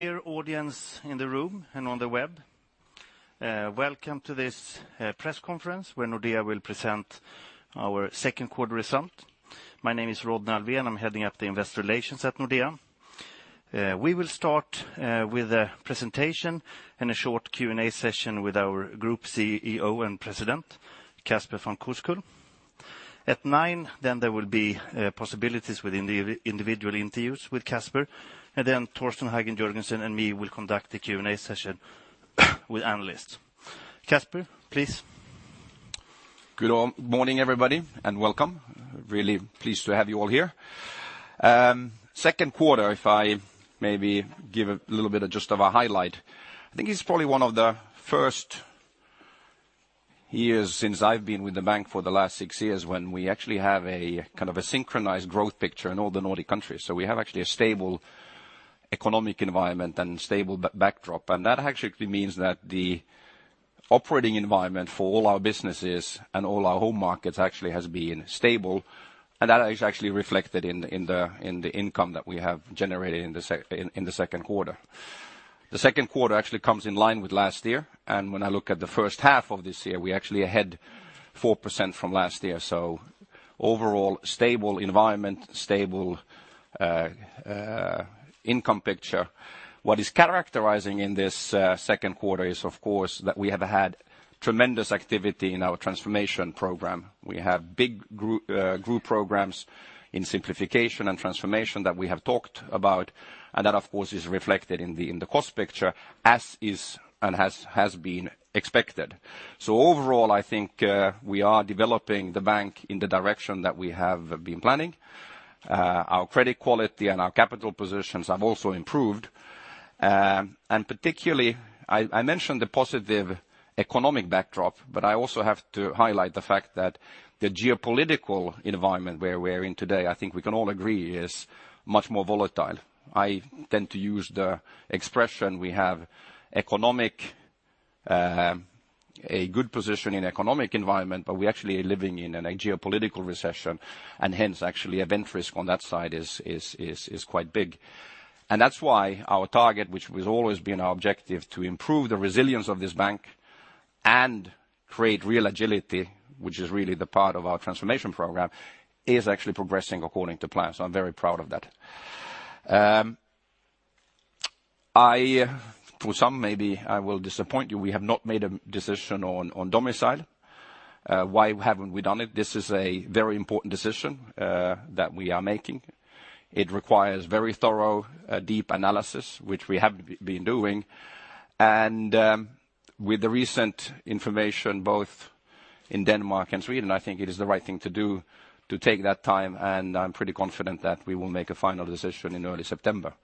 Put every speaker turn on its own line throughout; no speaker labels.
Dear audience in the room and on the web, welcome to this press conference where Nordea will present our second quarter result. My name is Rodney Alfvén, I'm heading up the investor relations at Nordea. We will start with a presentation and a short Q&A session with our Group CEO and President, Casper von Koskull. At 9:00 A.M., there will be possibilities with individual interviews with Casper, and Torsten Hagen Jørgensen and me will conduct the Q&A session with analysts. Casper, please.
Good morning, everybody, and welcome. Really pleased to have you all here. Second quarter, if I maybe give a little bit of just of a highlight, I think it's probably one of the first years since I've been with the bank for the last 6 years, when we actually have a synchronized growth picture in all the Nordic countries. We have actually a stable economic environment and stable backdrop. That actually means that the operating environment for all our businesses and all our home markets actually has been stable, and that is actually reflected in the income that we have generated in the second quarter. The second quarter actually comes in line with last year. When I look at the first half of this year, we're actually ahead 4% from last year. Overall, stable environment, stable income picture. What is characterizing in this second quarter is, of course, that we have had tremendous activity in our transformation program. We have big group programs in simplification and transformation that we have talked about, and that, of course, is reflected in the cost picture as is and has been expected. Overall, I think we are developing the bank in the direction that we have been planning. Our credit quality and our capital positions have also improved. Particularly, I mentioned the positive economic backdrop, but I also have to highlight the fact that the geopolitical environment where we're in today, I think we can all agree, is much more volatile. I tend to use the expression, we have a good position in economic environment, but we're actually living in a geopolitical recession, and hence actually event risk on that side is quite big. That's why our target, which has always been our objective, to improve the resilience of this bank and create real agility, which is really the part of our transformation program, is actually progressing according to plan. I'm very proud of that. For some maybe I will disappoint you. We have not made a decision on domicile. Why haven't we done it? This is a very important decision that we are making. It requires very thorough, deep analysis, which we have been doing. With the recent information both in Denmark and Sweden, I think it is the right thing to do to take that time, and I'm pretty confident that we will make a final decision in early September.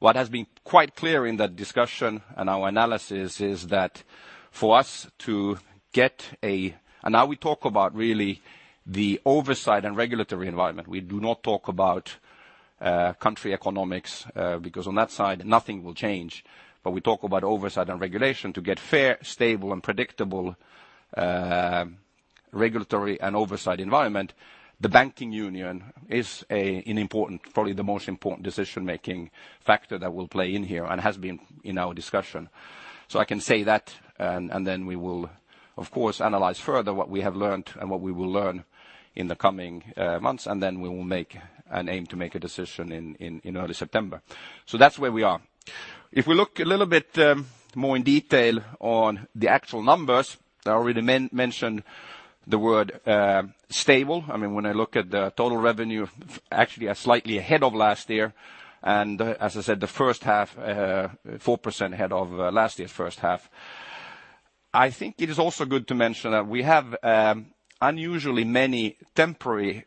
What has been quite clear in that discussion and our analysis is that for us to get a. Now we talk about really the oversight and regulatory environment. We do not talk about country economics, because on that side, nothing will change. We talk about oversight and regulation to get fair, stable, and predictable regulatory and oversight environment. The banking union is an important, probably the most important decision-making factor that will play in here and has been in our discussion. I can say that, and then we will, of course, analyze further what we have learnt and what we will learn in the coming months, and then we will make an aim to make a decision in early September. That's where we are. If we look a little bit more in detail on the actual numbers, I already mentioned the word stable. When I look at the total revenue, actually are slightly ahead of last year. And as I said, the first half, 4% ahead of last year's first half. It is also good to mention that we have unusually many temporary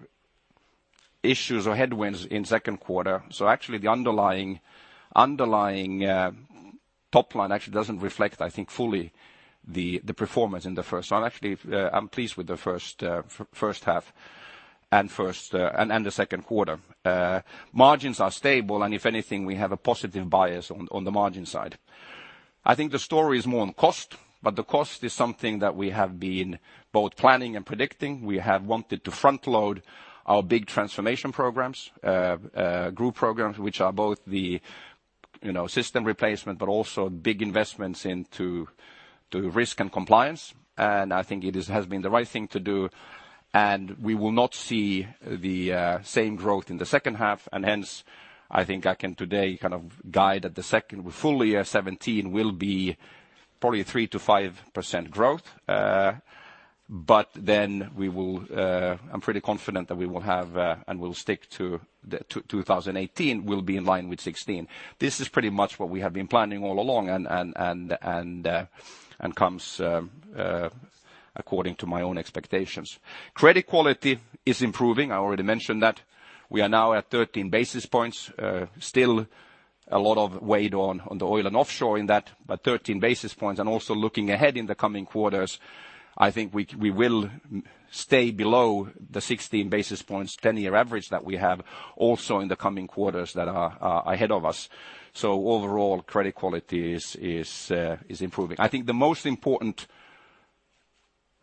issues or headwinds in second quarter. The underlying top line actually does not reflect, I think, fully the performance in the first. I'm pleased with the first half and the second quarter. Margins are stable, and if anything, we have a positive bias on the margin side. I think the story is more on cost, but the cost is something that we have been both planning and predicting. We have wanted to front-load our big transformation programs, group programs, which are both the system replacement but also big investments into risk and compliance. It has been the right thing to do, and we will not see the same growth in the second half. Hence, I can today guide that the second full year 2017 will be probably 3%-5% growth. I'm pretty confident that we will have and we'll stick to 2018 will be in line with 2016. This is pretty much what we have been planning all along and comes according to my own expectations. Credit quality is improving. I already mentioned that. We are now at 13 basis points. Still a lot of weight on the oil and offshore in that, but 13 basis points. And also looking ahead in the coming quarters, I think we will stay below the 16 basis points 10-year average that we have also in the coming quarters that are ahead of us. Overall, credit quality is improving. The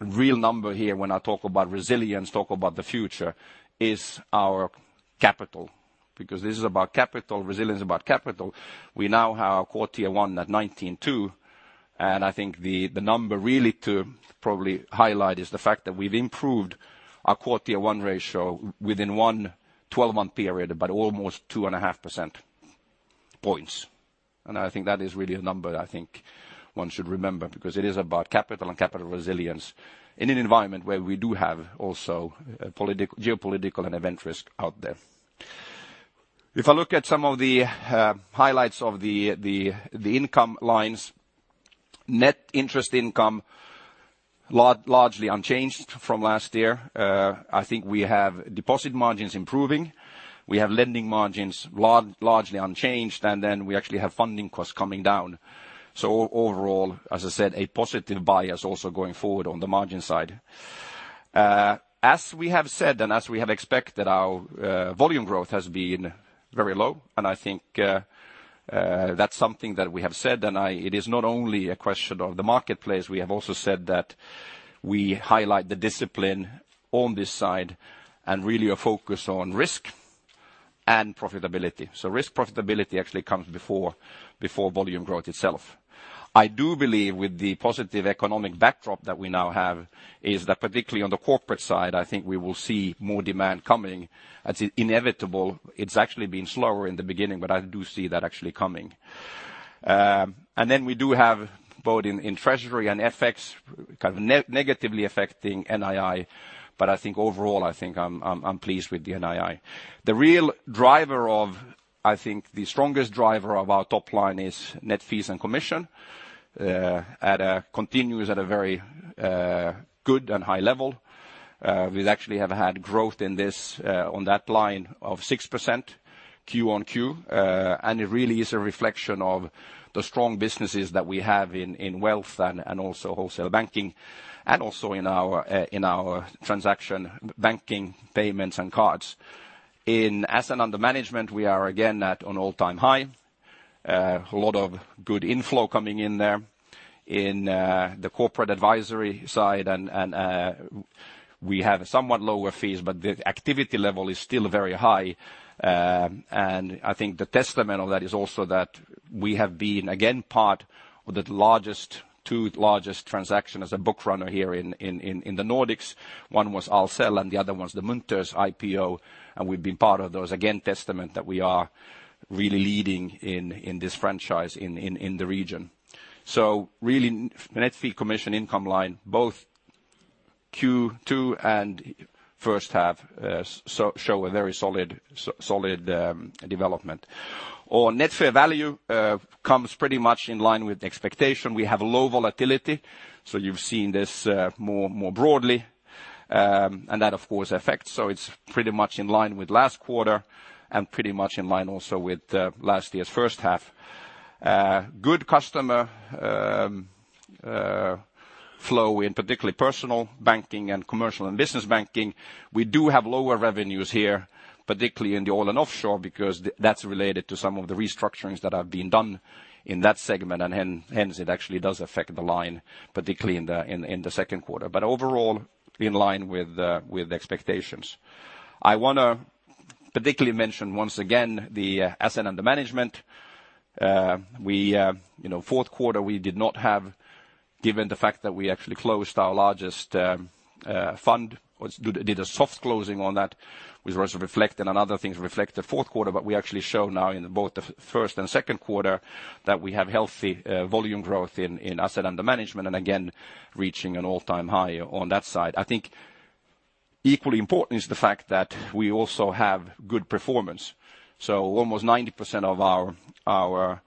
real number here when I talk about resilience, talk about the future, is our capital. This is about capital, resilience is about capital. We now have our Core Tier 1 at 19.2%, and I think the number really to probably highlight is the fact that we've improved our Core Tier 1 ratio within one 12-month period, by almost 2.5 percentage points. And I think that is really a number that I think one should remember, because it is about capital and capital resilience in an environment where we do have also geopolitical and event risk out there. If I look at some of the highlights of the income lines, net interest income, largely unchanged from last year. I think we have deposit margins improving. We have lending margins largely unchanged, and then we actually have funding costs coming down. Overall, as I said, a positive bias also going forward on the margin side. As we have said and as we have expected, our volume growth has been very low. I think that's something that we have said. It is not only a question of the marketplace. We have also said that we highlight the discipline on this side and really a focus on risk and profitability. Risk profitability actually comes before volume growth itself. I do believe with the positive economic backdrop that we now have, is that particularly on the corporate side, I think we will see more demand coming. It's inevitable. It's actually been slower in the beginning. I do see that actually coming. We do have both in treasury and FX negatively affecting NII. I think overall, I think I'm pleased with the NII. The real driver, I think the strongest driver of our top line is net fees and commission. Continues at a very good and high level. We actually have had growth in this on that line of 6% Q on Q. It really is a reflection of the strong businesses that we have in wealth and also Wholesale Banking, and also in our transaction banking payments and cards. In asset under management, we are again at an all-time high. A lot of good inflow coming in there. In the corporate advisory side, we have somewhat lower fees. The activity level is still very high. I think the testament of that is also that we have been again part of the two largest transaction as a book runner here in the Nordics. One was Ahlsell and the other one's the Munters IPO. We've been part of those. Again, testament that we are really leading in this franchise in the region. Really net fee commission income line, both Q2 and first half show a very solid development. Our net fair value comes pretty much in line with expectation. We have low volatility. You've seen this more broadly. That of course affects. It's pretty much in line with last quarter and pretty much in line also with last year's first half. Good customer flow in particularly personal banking and commercial and business banking. We do have lower revenues here, particularly in the oil and offshore, because that's related to some of the restructurings that have been done in that segment. It actually does affect the line, particularly in the second quarter. Overall, in line with expectations. I want to particularly mention once again the asset under management. Fourth quarter, we did not have, given the fact that we actually closed our largest fund, did a soft closing on that, which also reflect the fourth quarter. We actually show now in both the first and second quarter that we have healthy volume growth in asset under management and again, reaching an all-time high on that side. I think equally important is the fact that we also have good performance. Almost 90% of our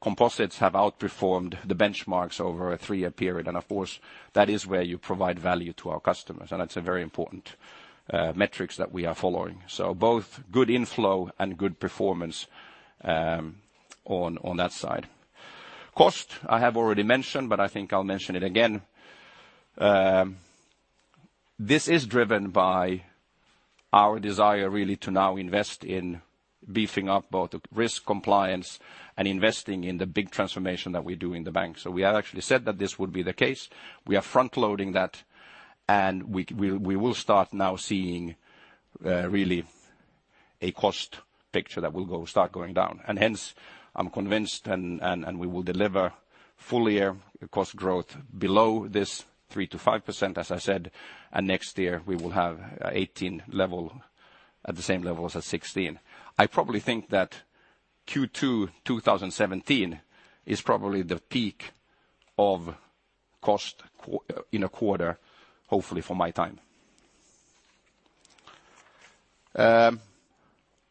composites have outperformed the benchmarks over a three-year period. Of course, that is where you provide value to our customers. That's a very important metrics that we are following. Both good inflow and good performance on that side. Cost, I have already mentioned. I think I'll mention it again. This is driven by our desire really to now invest in beefing up both risk compliance and investing in the big transformation that we do in the bank. We have actually said that this would be the case. We are front-loading that, we will start now seeing really a cost picture that will start going down. I'm convinced, we will deliver full-year cost growth below this 3%-5%, as I said. Next year we will have 2018 level at the same level as 2016. I probably think that Q2 2017 is probably the peak of cost in a quarter, hopefully for my time.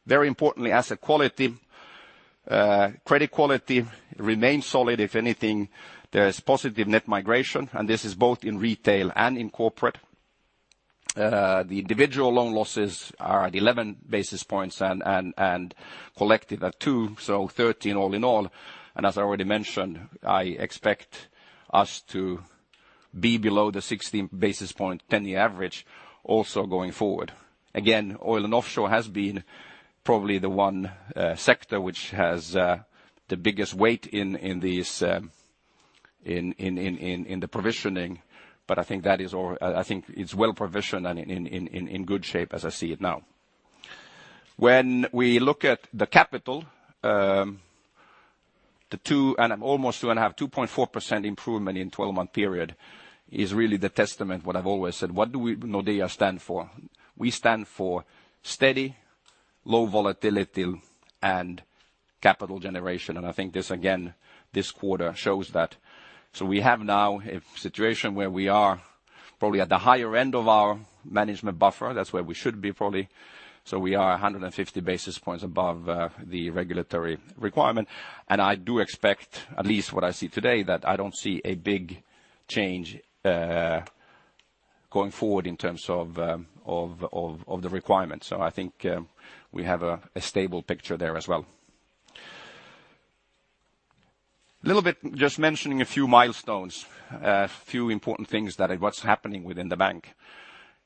Very importantly, asset quality. Credit quality remains solid. If anything, there is positive net migration, and this is both in retail and in corporate. The individual loan losses are at 11 basis points and collective at two, so 13 all in all. As I already mentioned, I expect us to be below the 16 basis points 10-year average also going forward. Again, oil and offshore has been probably the one sector which has the biggest weight in the provisioning. I think it's well-provisioned and in good shape as I see it now. When we look at the capital, the two and almost two and a half, 2.4% improvement in 12-month period is really the testament what I've always said, what do Nordea stand for? We stand for steady, low volatility and capital generation. I think this again, this quarter shows that. We have now a situation where we are probably at the higher end of our management buffer. That's where we should be, probably. We are 150 basis points above the regulatory requirement. I do expect, at least what I see today, that I don't see a big change going forward in terms of the requirements. I think we have a stable picture there as well. Little bit just mentioning a few milestones, a few important things that what's happening within the bank.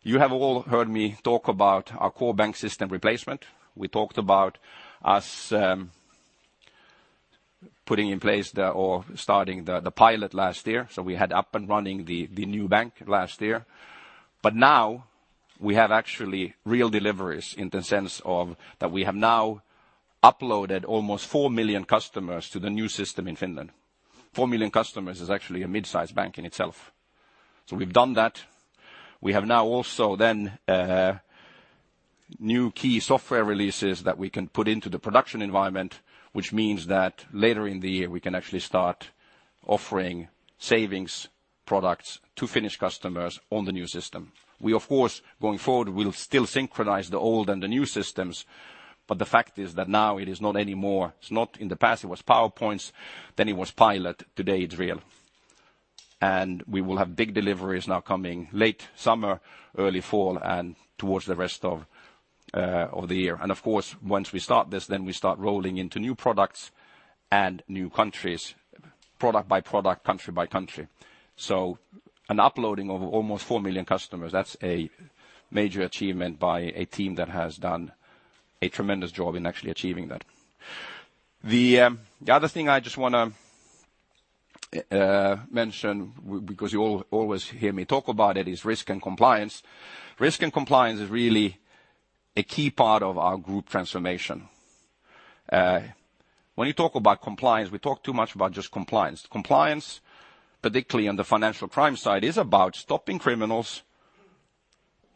You have all heard me talk about our core bank system replacement. We talked about us putting in place or starting the pilot last year. We had up and running the new bank last year. Now we have actually real deliveries in the sense of that we have now uploaded almost 4 million customers to the new system in Finland. 4 million customers is actually a midsize bank in itself. We've done that. We have now also then new key software releases that we can put into the production environment, which means that later in the year, we can actually start offering savings products to Finnish customers on the new system. We of course, going forward, will still synchronize the old and the new systems, the fact is that now it is not anymore. It's not in the past, it was PowerPoints, then it was pilot, today it's real. We will have big deliveries now coming late summer, early fall, and towards the rest of the year. Of course, once we start this, then we start rolling into new products and new countries, product by product, country by country. An uploading of almost 4 million customers, that's a major achievement by a team that has done a tremendous job in actually achieving that. The other thing I just want to mention, because you always hear me talk about it, is risk and compliance. Risk and compliance is really a key part of our group transformation. When you talk about compliance, we talk too much about just compliance. Compliance, particularly on the financial crime side, is about stopping criminals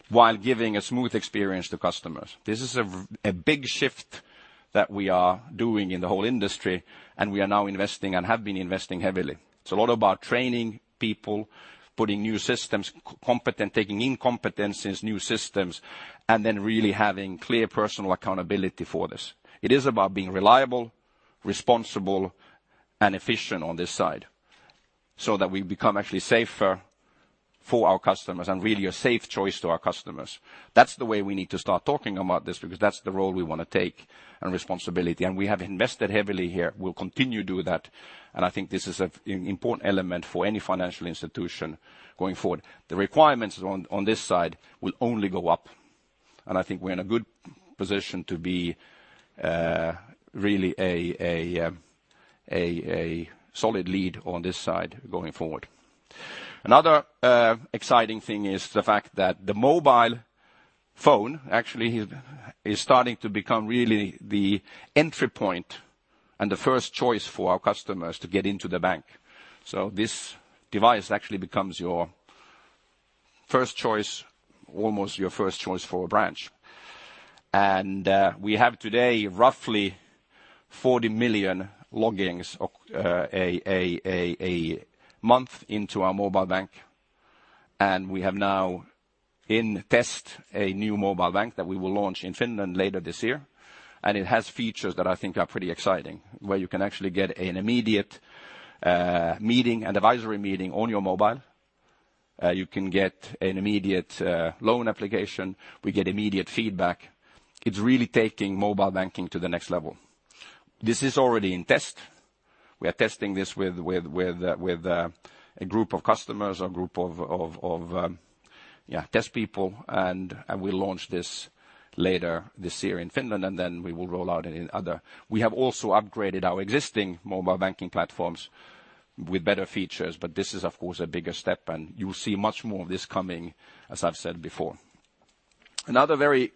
while giving a smooth experience to customers. This is a big shift that we are doing in the whole industry. We are now investing and have been investing heavily. It's a lot about training people, putting new systems, taking in competencies, new systems, and then really having clear personal accountability for this. It is about being reliable, responsible, and efficient on this side so that we become actually safer for our customers and really a safe choice to our customers. That's the way we need to start talking about this, because that's the role we want to take and responsibility. We have invested heavily here. We'll continue to do that. I think this is an important element for any financial institution going forward. The requirements on this side will only go up, and I think we're in a good position to be really a solid lead on this side going forward. Another exciting thing is the fact that the mobile phone actually is starting to become really the entry point and the first choice for our customers to get into the bank. This device actually becomes almost your first choice for a branch. We have today roughly 40 million logins a month into our mobile bank. We have now in test a new mobile bank that we will launch in Finland later this year. It has features that I think are pretty exciting, where you can actually get an immediate meeting, an advisory meeting on your mobile. You can get an immediate loan application. We get immediate feedback. It's really taking mobile banking to the next level. This is already in test. We are testing this with a group of customers, a group of test people. We'll launch this later this year in Finland, and then we will roll out in other. We have also upgraded our existing mobile banking platforms with better features. This is of course a bigger step, and you'll see much more of this coming, as I've said before. Another very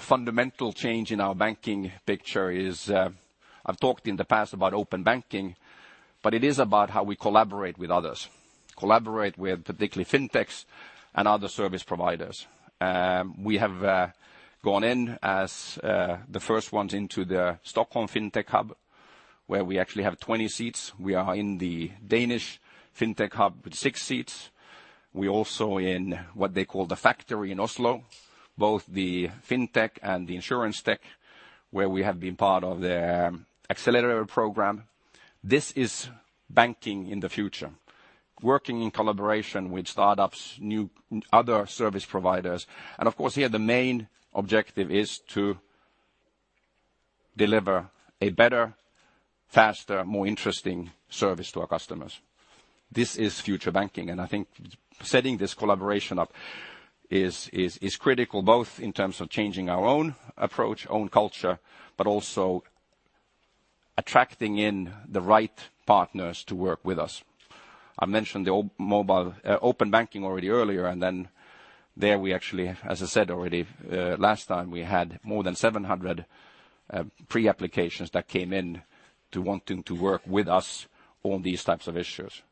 fundamental change in our banking picture is, I've talked in the past about open banking. It is about how we collaborate with others, collaborate with particularly fintechs and other service providers. We have gone in as the first ones into the Stockholm Fintech Hub, where we actually have 20 seats. We are in the Danish Fintech Hub with six seats. We're also in what they call TheFactory in Oslo, both the Fintech and the Insurtech, where we have been part of their accelerator program. This is banking in the future, working in collaboration with startups, other service providers. Of course, here the main objective is to Deliver a better, faster, more interesting service to our customers. This is future banking. I think setting this collaboration up is critical, both in terms of changing our own approach, own culture, but also attracting in the right partners to work with us. I mentioned the open banking already earlier, and then there we actually, as I said already last time, we had more than 700 pre-applications that came in to wanting to work with us on these types of issues.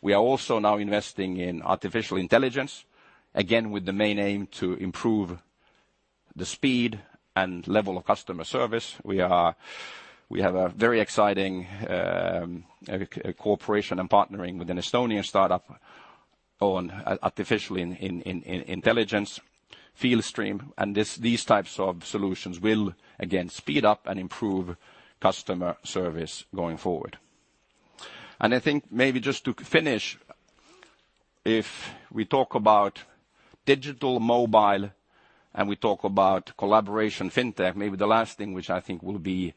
We are also now investing in artificial intelligence, again, with the main aim to improve the speed and level of customer service. We have a very exciting cooperation and partnering with an Estonian startup on artificial intelligence, Fieldstream, and these types of solutions will, again, speed up and improve customer service going forward. I think maybe just to finish, if we talk about digital mobile and we talk about collaboration, fintech, maybe the last thing which I think will be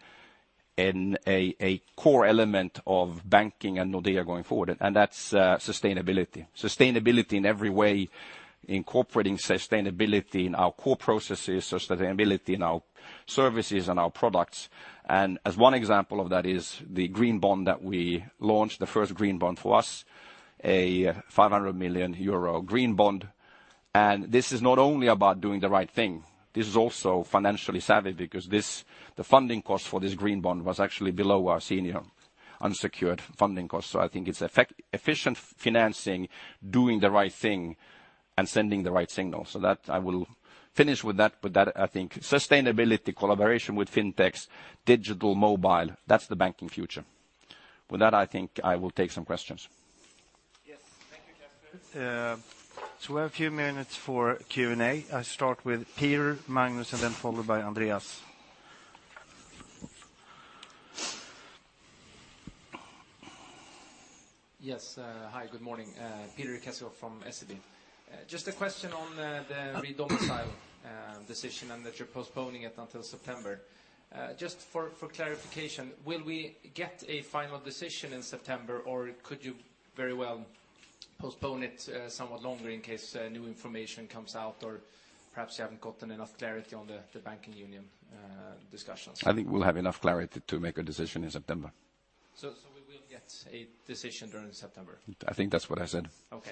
a core element of banking and Nordea going forward, and that's sustainability. Sustainability in every way, incorporating sustainability in our core processes, sustainability in our services and our products. As one example of that is the green bond that we launched, the first green bond for us, a 500 million euro green bond. This is not only about doing the right thing, this is also financially savvy because the funding cost for this green bond was actually below our senior unsecured funding cost. I think it's efficient financing, doing the right thing, and sending the right signal. I will finish with that I think sustainability, collaboration with fintechs, digital mobile, that's the banking future. With that, I think I will take some questions.
Yes. Thank you, Casper. We have a few minutes for Q&A. I start with Peter, Magnus, and then followed by Andreas.
Yes. Hi, good morning. Peter Kessiakoff from SEB. Just a question on the redomicile decision and that you're postponing it until September. Just for clarification, will we get a final decision in September, or could you very well postpone it somewhat longer in case new information comes out or perhaps you haven't gotten enough clarity on the banking union discussions?
I think we'll have enough clarity to make a decision in September.
We will get a decision during September?
I think that's what I said.
Okay.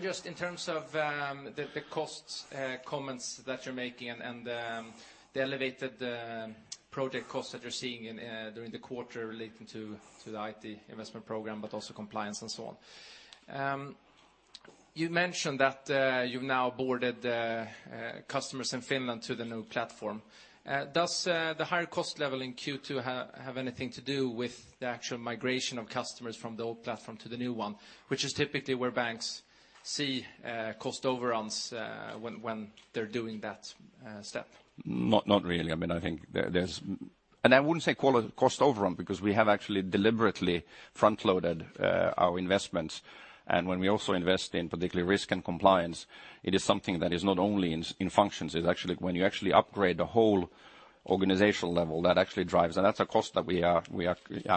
Just in terms of the cost comments that you're making and the elevated project costs that you're seeing during the quarter relating to the IT investment program, but also compliance and so on. You mentioned that you've now boarded customers in Finland to the new platform. Does the higher cost level in Q2 have anything to do with the actual migration of customers from the old platform to the new one, which is typically where banks see cost overruns when they're doing that step?
Not really. I wouldn't say cost overrun because we have actually deliberately front-loaded our investments. When we also invest in particularly risk and compliance, it is something that is not only in functions, it's when you actually upgrade the whole organizational level. That's a cost that we are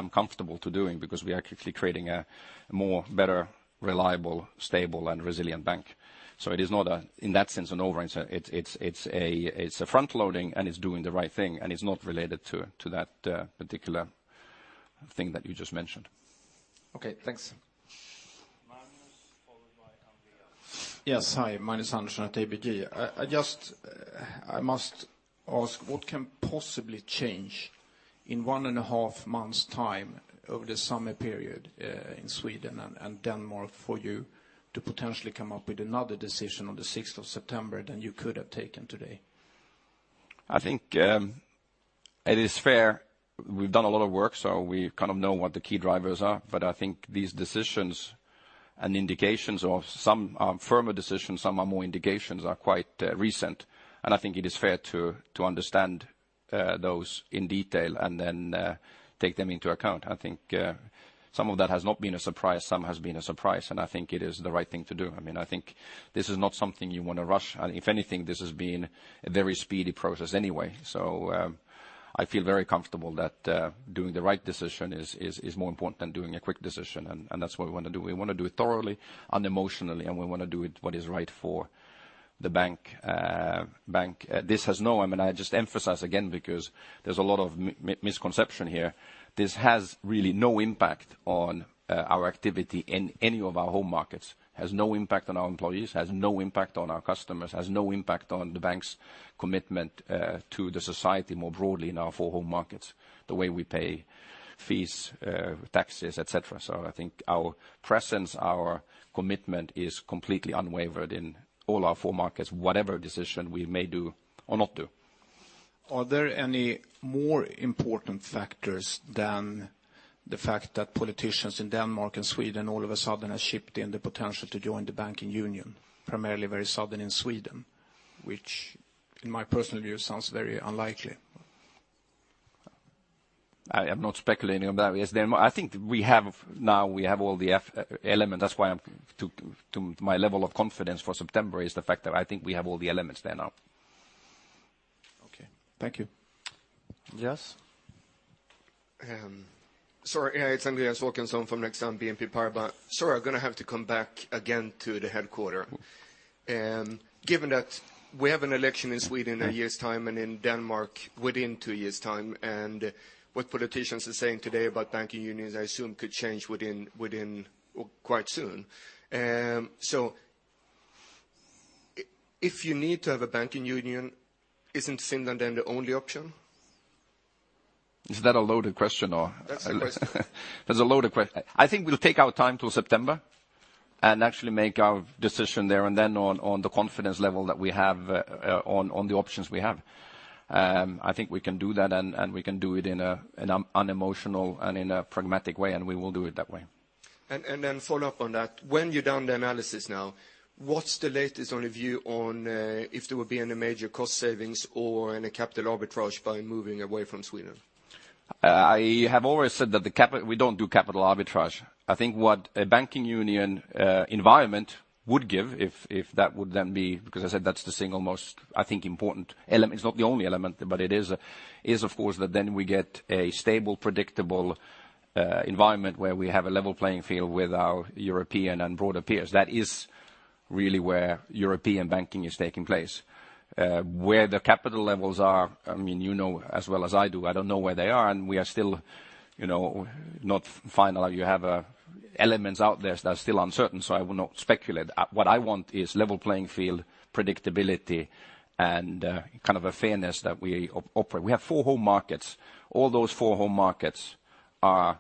comfortable to doing because we are actually creating a more, better, reliable, stable, and resilient bank. It is not, in that sense, an overrun. It's a front-loading, and it's doing the right thing, and it's not related to that particular thing that you just mentioned.
Okay, thanks.
Magnus, followed by Andreas.
Yes. Hi, Magnus Andersson at ABG. I must ask, what can possibly change in one and a half months' time over the summer period in Sweden and Denmark for you to potentially come up with another decision on the 6th of September than you could have taken today?
I think it is fair. We've done a lot of work, so we know what the key drivers are. I think these decisions and indications of some firmer decisions, some are more indications, are quite recent. I think it is fair to understand those in detail and then take them into account. I think some of that has not been a surprise, some has been a surprise, and I think it is the right thing to do. I think this is not something you want to rush, and if anything, this has been a very speedy process anyway. I feel very comfortable that doing the right decision is more important than doing a quick decision. That's what we want to do. We want to do it thoroughly and emotionally, and we want to do it what is right for the bank. I just emphasize again, because there's a lot of misconception here. This has really no impact on our activity in any of our home markets. This has no impact on our employees, has no impact on our customers, has no impact on the bank's commitment to the society more broadly in our four home markets, the way we pay fees, taxes, et cetera. I think our presence, our commitment is completely unwavered in all our four markets, whatever decision we may do or not do.
Are there any more important factors than the fact that politicians in Denmark and Sweden all of a sudden have stepped in the potential to join the banking union, primarily very sudden in Sweden, which in my personal view sounds very unlikely?
I am not speculating on that. I think we have now all the elements. That's why my level of confidence for September is the fact that I think we have all the elements there now.
Okay. Thank you.
[Yes?]
Sorry. It's Andreas Håkansson from Exane BNP Paribas. Sorry, I'm going to have to come back again to the headquarter. Given that we have an election in Sweden a year's time and in Denmark within 2 years' time, and what politicians are saying today about banking unions, I assume could change quite soon. If you need to have a banking union, isn't Finland then the only option?
Is that a loaded question or?
That's the question.
That's a loaded question. I think we'll take our time till September and actually make our decision there and then on the confidence level that we have on the options we have. I think we can do that, and we can do it in an unemotional and in a pragmatic way, and we will do it that way.
Follow up on that. When you've done the analysis now, what's the latest on a view on if there will be any major cost savings or any capital arbitrage by moving away from Sweden?
I have always said that we don't do capital arbitrage. I think what a banking union environment would give, if that would then be Because as I said, that's the single most, I think important element. It's not the only element, but it is, of course, that then we get a stable, predictable environment where we have a level playing field with our European and broader peers. That is really where European banking is taking place. Where the capital levels are, you know as well as I do, I don't know where they are, and we are still not final. You have elements out there that are still uncertain, so I will not speculate. What I want is level playing field, predictability, and fairness that we operate. We have four home markets. All those four home markets are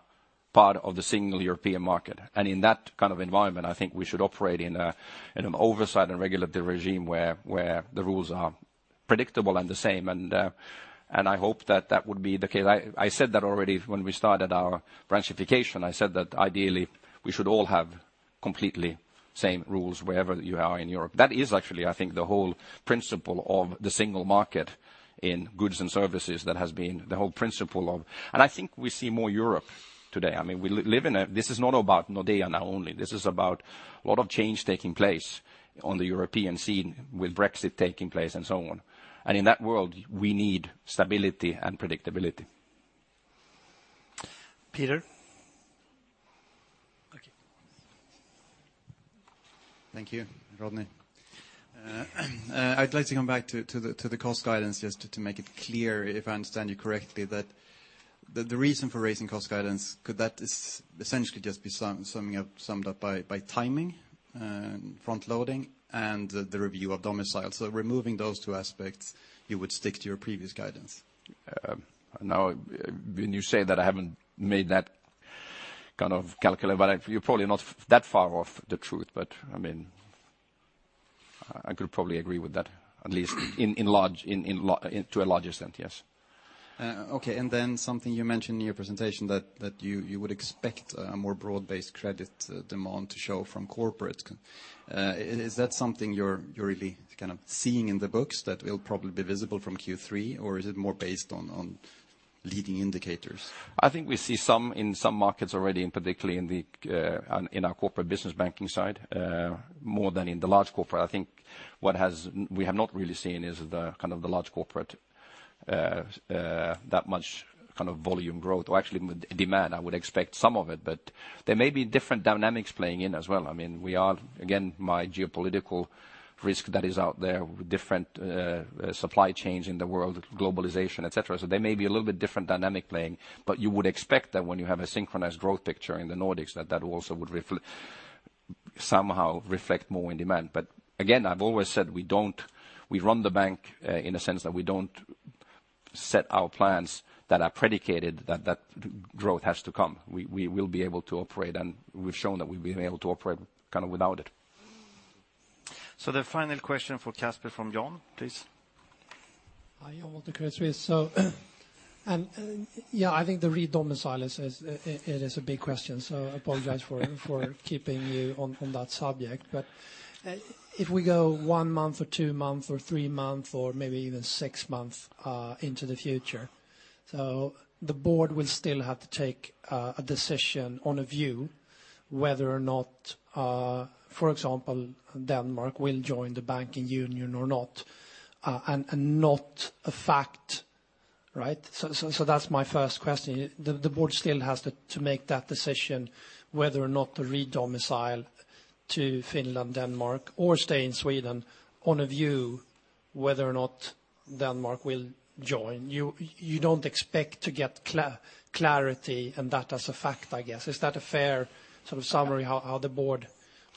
part of the single European market. In that kind of environment, I think we should operate in an oversight and regulatory regime where the rules are predictable and the same. I hope that that would be the case. I said that already when we started our branchification. I said that ideally, we should all have completely same rules wherever you are in Europe. That is actually, I think, the whole principle of the single market in goods and services that has been the whole principle of I think we see more Europe today. This is not about Nordea now only. This is about a lot of change taking place on the European scene with Brexit taking place and so on. In that world, we need stability and predictability.
Peter? Okay.
Thank you, Rodney. I'd like to come back to the cost guidance, just to make it clear if I understand you correctly, that the reason for raising cost guidance, could that essentially just be summed up by timing, front loading and the review of domicile? Removing those two aspects, you would stick to your previous guidance.
When you say that, I haven't made that kind of calculator. You're probably not that far off the truth, but I could probably agree with that, at least to a larger extent, yes.
Okay. Something you mentioned in your presentation, that you would expect a more broad-based credit demand to show from corporate. Is that something you're really seeing in the books that will probably be visible from Q3? Is it more based on leading indicators?
I think we see some in some markets already, particularly in our corporate business banking side, more than in the large corporate. I think what we have not really seen is the large corporate, that much volume growth or actually demand. I would expect some of it. There may be different dynamics playing in as well. Again, my geopolitical risk that is out there with different supply chains in the world, globalization, et cetera. There may be a little bit different dynamic playing, but you would expect that when you have a synchronized growth picture in the Nordics, that that also would somehow reflect more in demand. Again, I've always said we run the bank in a sense that we don't set our plans that are predicated that that growth has to come. We will be able to operate, we've shown that we've been able to operate without it.
The final question for Casper from Jan, please.
Hi. Walter Kurtz. I think the re-domicile is a big question, apologize for keeping you on that subject. If we go one month or two month or three month or maybe even six months into the future. The board will still have to take a decision on a view whether or not, for example, Denmark will join the banking union or not, and not a fact. Right? That's my first question, the board still has to make that decision whether or not to re-domicile to Finland, Denmark or stay in Sweden on a view whether or not Denmark will join. You don't expect to get clarity on that as a fact, I guess. Is that a fair summary how the board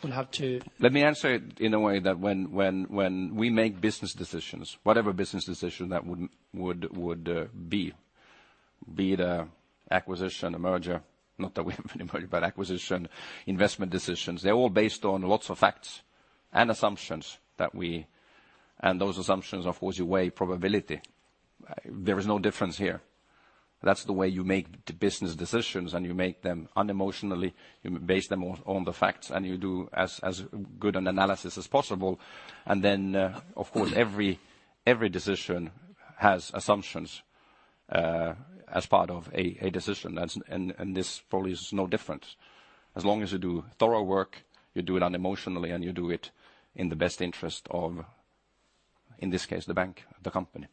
will have to?
Let me answer it in a way that when we make business decisions, whatever business decision that would be it an acquisition, a merger. Not that we have anybody, but acquisition, investment decisions, they're all based on lots of facts and assumptions. Those assumptions, of course, you weigh probability. There is no difference here. That's the way you make the business decisions, and you make them unemotionally. You base them on the facts, and you do as good an analysis as possible. Then, of course, every Every decision has assumptions as part of a decision, and this probably is no different. As long as you do thorough work, you do it unemotionally, and you do it in the best interest of, in this case, the bank, the company.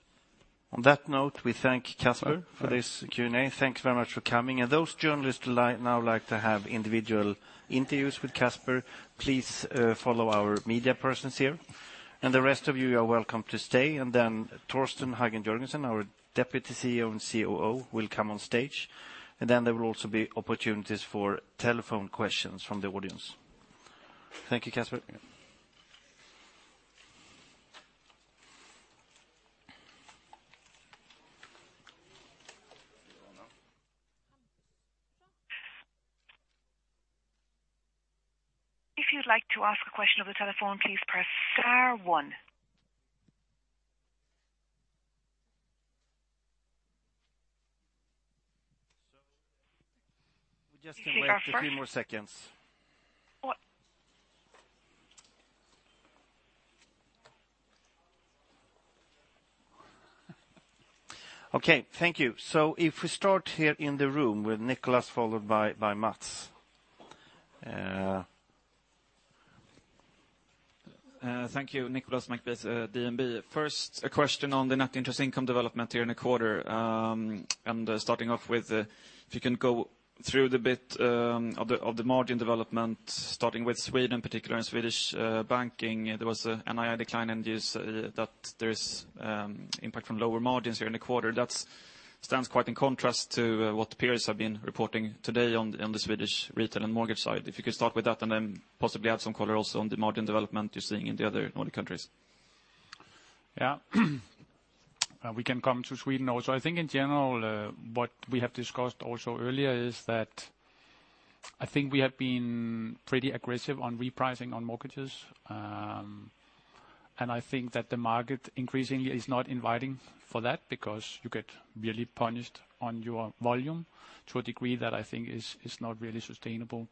On that note, we thank Casper for this Q&A. Thanks very much for coming. Those journalists who now like to have individual interviews with Casper, please follow our media persons here. The rest of you are welcome to stay. Then Torsten Hagen Jørgensen, our Deputy CEO and COO, will come on stage, and then there will also be opportunities for telephone questions from the audience. Thank you, Casper.
Yeah.
If you'd like to ask a question on the telephone, please press star one.
We'll just wait a few more seconds.
One.
Okay. Thank you. If we start here in the room with Nicolas, followed by Mats.
Thank you. Nicolas McBeath, DNB. First, a question on the net interest income development here in the quarter, and starting off with, if you can go through the bit of the margin development starting with Sweden, particularly in Swedish banking. There was an NII decline, and you say that there is impact from lower margins here in the quarter. That stands quite in contrast to what peers have been reporting today on the Swedish retail and mortgage side. If you could start with that and then possibly add some color also on the margin development you're seeing in the other Nordic countries.
Yeah. We can come to Sweden also. I think in general, what we have discussed also earlier is that I think we have been pretty aggressive on repricing on mortgages. I think that the market increasingly is not inviting for that because you get really punished on your volume to a degree that I think is not really sustainable.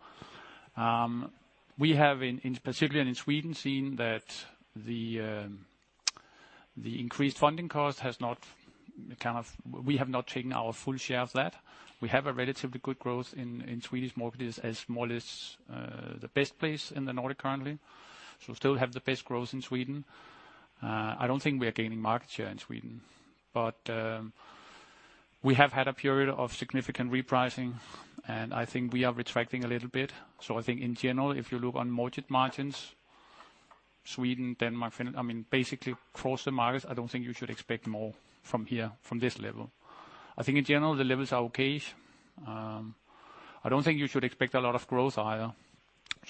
We have, specifically in Sweden, seen that the increased funding cost, we have not taken our full share of that. We have a relatively good growth in Swedish mortgages as well as the best place in the Nordic currently. We still have the best growth in Sweden. I don't think we are gaining market share in Sweden, but we have had a period of significant repricing, and I think we are retracting a little bit. I think in general, if you look on mortgage margins, Sweden, Denmark, Finland, basically across the markets, I don't think you should expect more from here, from this level. I think in general the levels are okay. I don't think you should expect a lot of growth higher.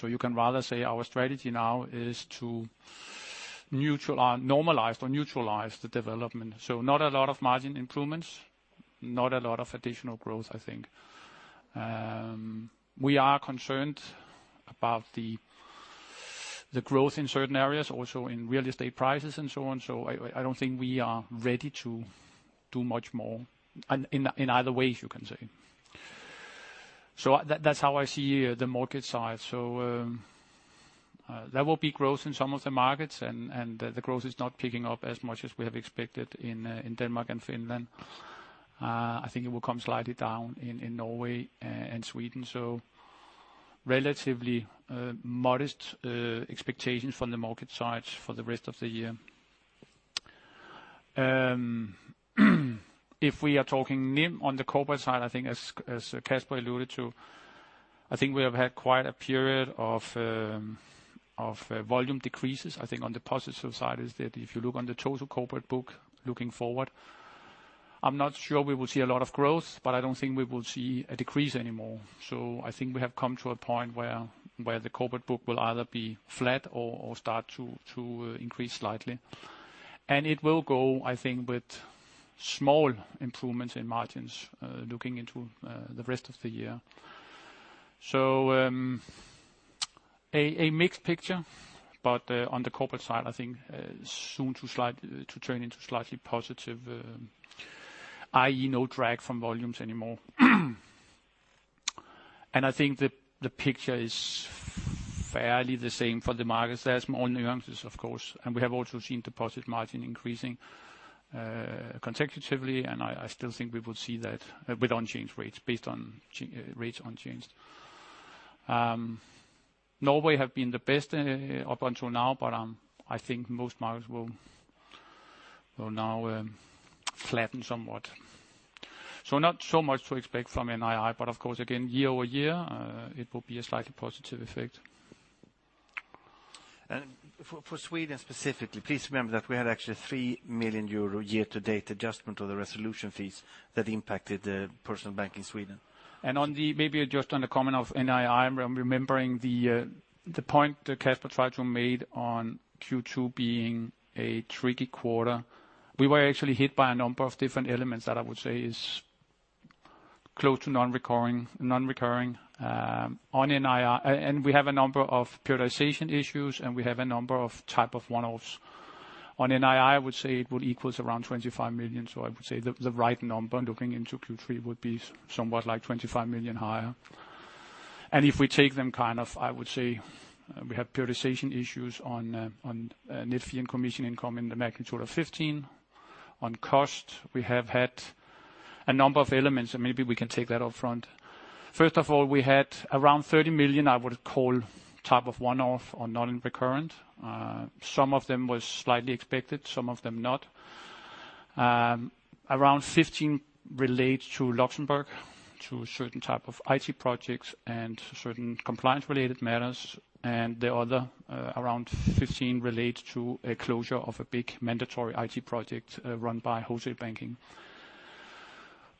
You can rather say our strategy now is to normalize or neutralize the development. Not a lot of margin improvements, not a lot of additional growth, I think. We are concerned about the growth in certain areas, also in real estate prices and so on. I don't think we are ready to do much more in either way, you can say. That's how I see the market side. There will be growth in some of the markets, and the growth is not picking up as much as we have expected in Denmark and Finland. I think it will come slightly down in Norway and Sweden. Relatively modest expectations from the market side for the rest of the year. If we are talking NIM on the corporate side, I think as Casper alluded to, I think we have had quite a period of volume decreases. I think on the positive side is that if you look on the total corporate book looking forward, I'm not sure we will see a lot of growth, but I don't think we will see a decrease anymore. I think we have come to a point where the corporate book will either be flat or start to increase slightly. It will go, I think, with small improvements in margins looking into the rest of the year. A mixed picture, but on the corporate side, I think soon to turn into slightly positive, i.e. no drag from volumes anymore. I think the picture is fairly the same for the markets. There are small nuances, of course, and we have also seen deposit margin increasing consecutively, and I still think we will see that with unchanged rates, based on rates unchanged. Norway have been the best up until now, but I think most markets will now flatten somewhat. Not so much to expect from NII, but of course again, year-over-year, it will be a slightly positive effect.
For Sweden specifically, please remember that we had actually 3 million euro year-to-date adjustment of the resolution fees that impacted the personal bank in Sweden.
Maybe just on the comment of NII, I'm remembering the point that Casper tried to make on Q2 being a tricky quarter. We were actually hit by a number of different elements that I would say is close to non-recurring on NII. We have a number of periodization issues, and we have a number of type of one-offs. On NII, I would say it would equals around 25 million. I would say the right number looking into Q3 would be somewhat like 25 million higher. If we take them, I would say we have periodization issues on net fee and commission income in the making quarter '15. On cost, we have had a number of elements, maybe we can take that up front. First of all, we had around 30 million, I would call type of one-off or non-recurrent. Some of them was slightly expected, some of them not. Around 15 relates to Luxembourg, to certain type of IT projects and certain compliance related matters, and the other around 15 relates to a closure of a big mandatory IT project run by Wholesale Banking.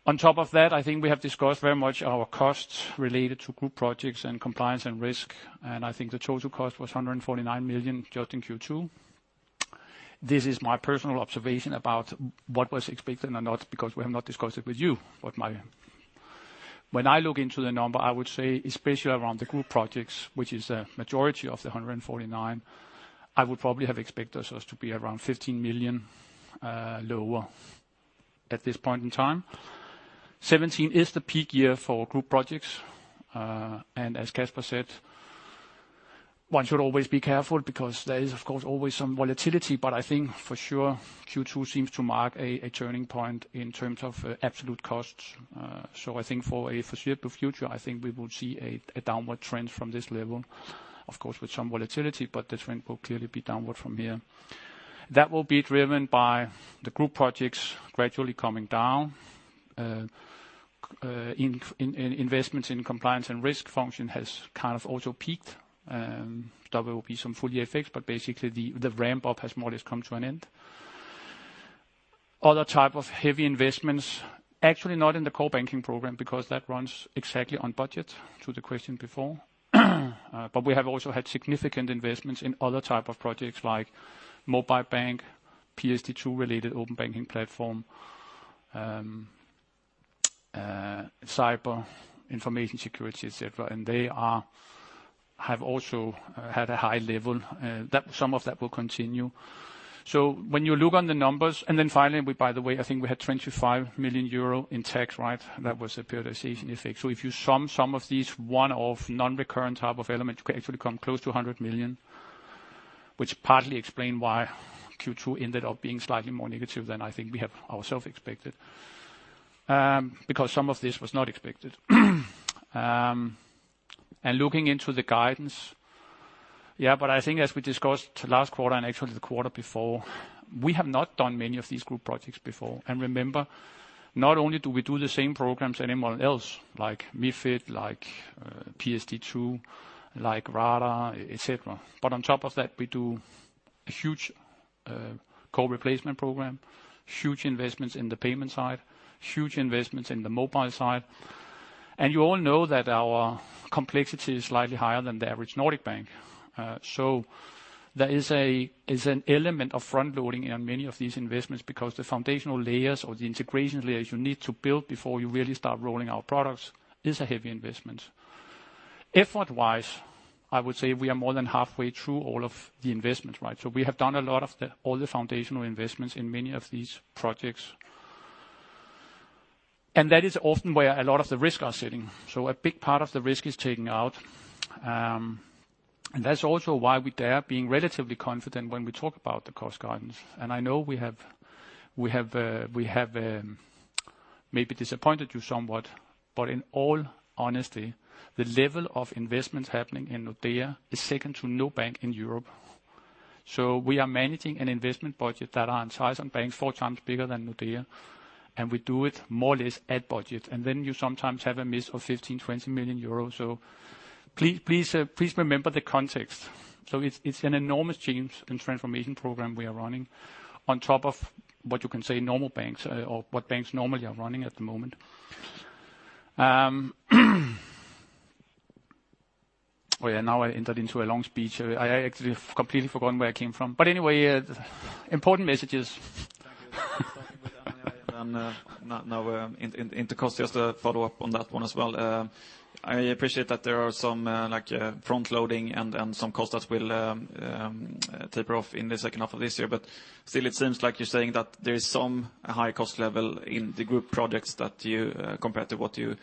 On top of that, I think we have discussed very much our costs related to group projects and compliance and risk, I think the total cost was 149 million just in Q2. This is my personal observation about what was expected or not, because we have not discussed it with you. When I look into the number, I would say, especially around the group projects, which is a majority of the 149 million, I would probably have expected us to be around 15 million lower at this point in time. 2017 is the peak year for group projects. As Casper said, one should always be careful because there is, of course, always some volatility, but I think for sure Q2 seems to mark a turning point in terms of absolute costs. I think for the foreseeable future, I think we will see a downward trend from this level. Of course, with some volatility, but the trend will clearly be downward from here. That will be driven by the group projects gradually coming down. Investments in compliance and risk function has also peaked. There will be some full-year effects, but basically the ramp-up has more or less come to an end. Other type of heavy investments, actually not in the core banking program because that runs exactly on budget to the question before. We have also had significant investments in other type of projects like mobile bank, PSD2-related open banking platform, cyber, information security, et cetera, they have also had a high level. Some of that will continue. When you look on the numbers, then finally, by the way, I think we had 25 million euro in tax, right? That was a periodization effect. If you sum some of these one-off non-recurrent type of elements, you can actually come close to 100 million, which partly explain why Q2 ended up being slightly more negative than I think we have ourself expected. Because some of this was not expected. Looking into the guidance. I think as we discussed last quarter and actually the quarter before, we have not done many of these group projects before. Remember, not only do we do the same programs anyone else, like MiFID, like PSD2, like RADAR, et cetera. On top of that, we do a huge core replacement program, huge investments in the payment side, huge investments in the mobile side. You all know that our complexity is slightly higher than the average Nordic bank. There is an element of front-loading in many of these investments because the foundational layers or the integration layers you need to build before you really start rolling out products is a heavy investment. Effort-wise, I would say we are more than halfway through all of the investments, right? We have done all the foundational investments in many of these projects. That is often where a lot of the risk are sitting. A big part of the risk is taken out. That's also why we dare being relatively confident when we talk about the cost guidance. I know we have maybe disappointed you somewhat, in all honesty, the level of investments happening in Nordea is second to no bank in Europe. We are managing an investment budget that are in size on banks four times bigger than Nordea, and we do it more or less at budget. Then you sometimes have a miss of 15 million, 20 million euros. Please remember the context. It's an enormous change in transformation program we are running on top of what you can say normal banks or what banks normally are running at the moment. Yeah, now I entered into a long speech. I actually have completely forgotten where I came from. Anyway, important messages. [inaudible] to follow up on that one as well. I appreciate that there are some front-loading and some cost that will taper off in the second half of this year. Still, it seems like you're saying that there is some high cost level in the group projects compared to what you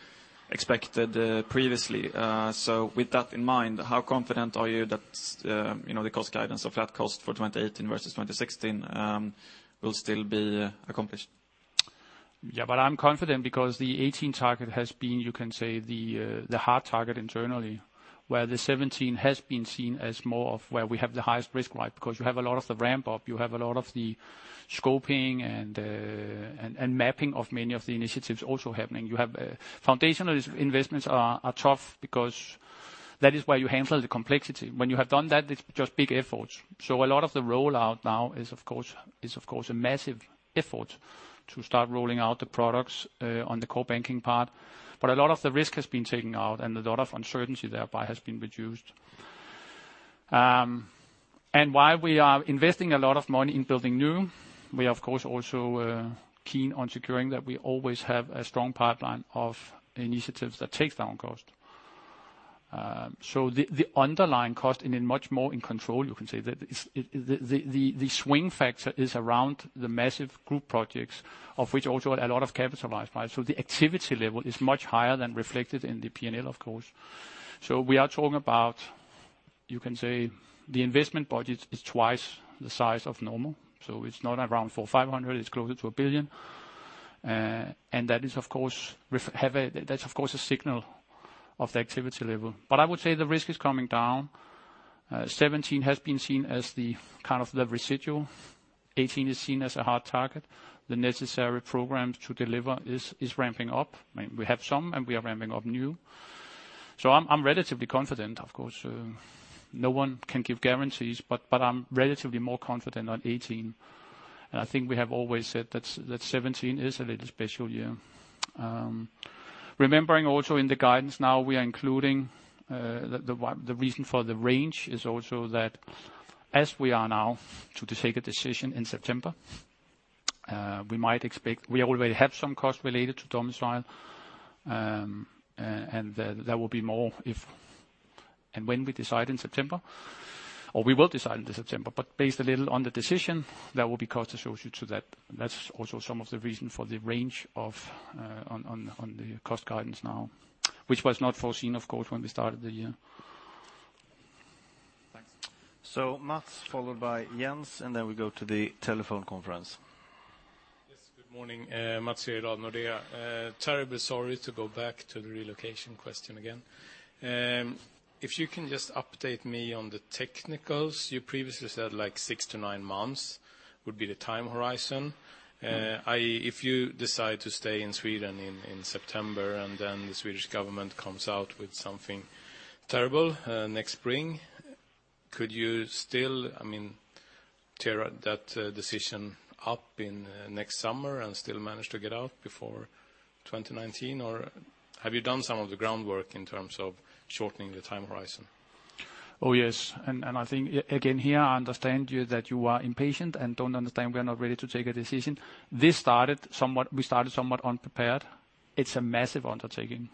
expected previously. With that in mind, how confident are you that the cost guidance of flat cost for 2018 versus 2016 will still be accomplished? Yeah, I'm confident because the 2018 target has been, you can say, the hard target internally, where the 2017 has been seen as more of where we have the highest risk, right? Because you have a lot of the ramp-up, you have a lot of the scoping and mapping of many of the initiatives also happening. Foundational investments are tough because that is where you handle the complexity. When you have done that, it's just big efforts. A lot of the rollout now is, of course, a massive effort to start rolling out the products on the core banking part. A lot of the risk has been taken out, and a lot of uncertainty thereby has been reduced. While we are investing a lot of money in building new, we of course also are keen on securing that we always have a strong pipeline of initiatives that takes down cost. The underlying cost is much more in control, you can say. The swing factor is around the massive group projects, of which also a lot of capitalized. The activity level is much higher than reflected in the P&L, of course. We are talking about, you can say, the investment budget is twice the size of normal, so it's not around 400 or 500, it's closer to 1 billion. That's of course, a signal of the activity level. I would say the risk is coming down. 2017 has been seen as the residual. 2018 is seen as a hard target. The necessary programs to deliver is ramping up. We have some, we are ramping up new. I'm relatively confident, of course. No one can give guarantees, I'm relatively more confident on 2018. I think we have always said that 2017 is a little special year. Remembering also in the guidance now we are including the reason for the range is also that as we are now to take a decision in September, we already have some costs related to domicile, and there will be more if and when we decide in September, or we will decide in September, but based a little on the decision, there will be cost associated to that. That's also some of the reason for the range on the cost guidance now, which was not foreseen, of course, when we started the year.
Thanks.
Mats, followed by Jens, then we go to the telephone conference.
Yes. Good morning. Mats, Nordea. Terribly sorry to go back to the relocation question again. If you can just update me on the technicals. You previously said six to nine months would be the time horizon. If you decide to stay in Sweden in September, then the Swedish government comes out with something terrible next spring, could you still tear that decision up in next summer and still manage to get out before 2019? Have you done some of the groundwork in terms of shortening the time horizon?
Oh, yes. I think, again, here, I understand that you are impatient and don't understand we are not ready to take a decision. We started somewhat unprepared. It is a massive undertaking.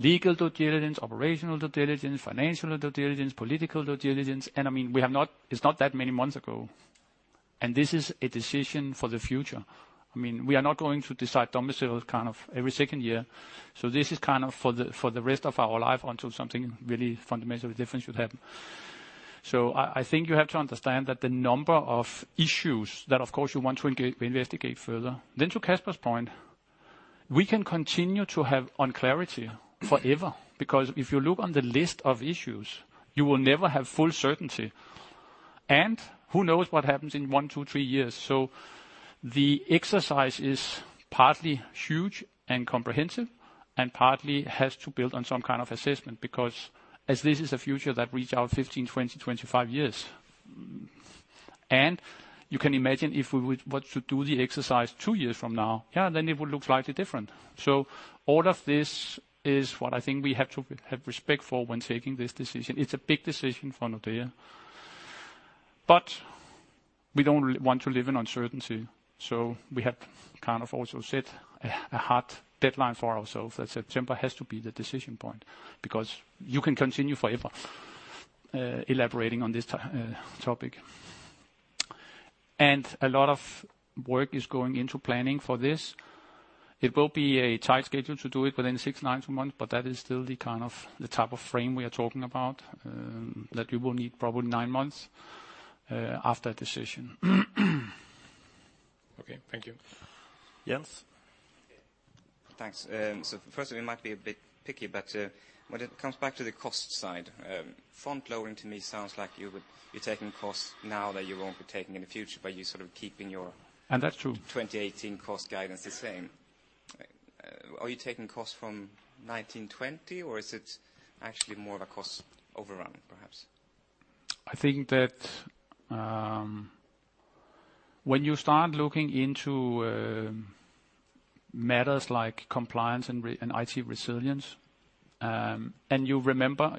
Legal due diligence, operational due diligence, financial due diligence, political due diligence. It is not that many months ago, this is a decision for the future. We are not going to decide domicile every second year. This is for the rest of our life until something really fundamentally different should happen. I think you have to understand that the number of issues that, of course, you want to investigate further. To Casper's point, we can continue to have unclarity forever, because if you look on the list of issues, you will never have full certainty, and who knows what happens in one, two, three years. The exercise is partly huge and comprehensive, and partly has to build on some kind of assessment, because as this is a future that reach out 15, 20, 25 years. You can imagine if we were to do the exercise two years from now, then it would look slightly different. All of this is what I think we have to have respect for when taking this decision. It is a big decision for Nordea. We don't want to live in uncertainty, so we have also set a hard deadline for ourselves that September has to be the decision point, because you can continue forever elaborating on this topic. A lot of work is going into planning for this. It will be a tight schedule to do it within six, nine months, but that is still the type of frame we are talking about, that we will need probably nine months after a decision.
Okay. Thank you.
Jens.
Thanks. First of all, it might be a bit picky, but when it comes back to the cost side, front loading to me sounds like you're taking costs now that you won't be taking in the future, but you're sort of keeping your-
That's true
2018 cost guidance the same. Are you taking costs from 2019, 2020, or is it actually more of a cost overrun, perhaps?
I think that when you start looking into matters like compliance and IT resilience, and you remember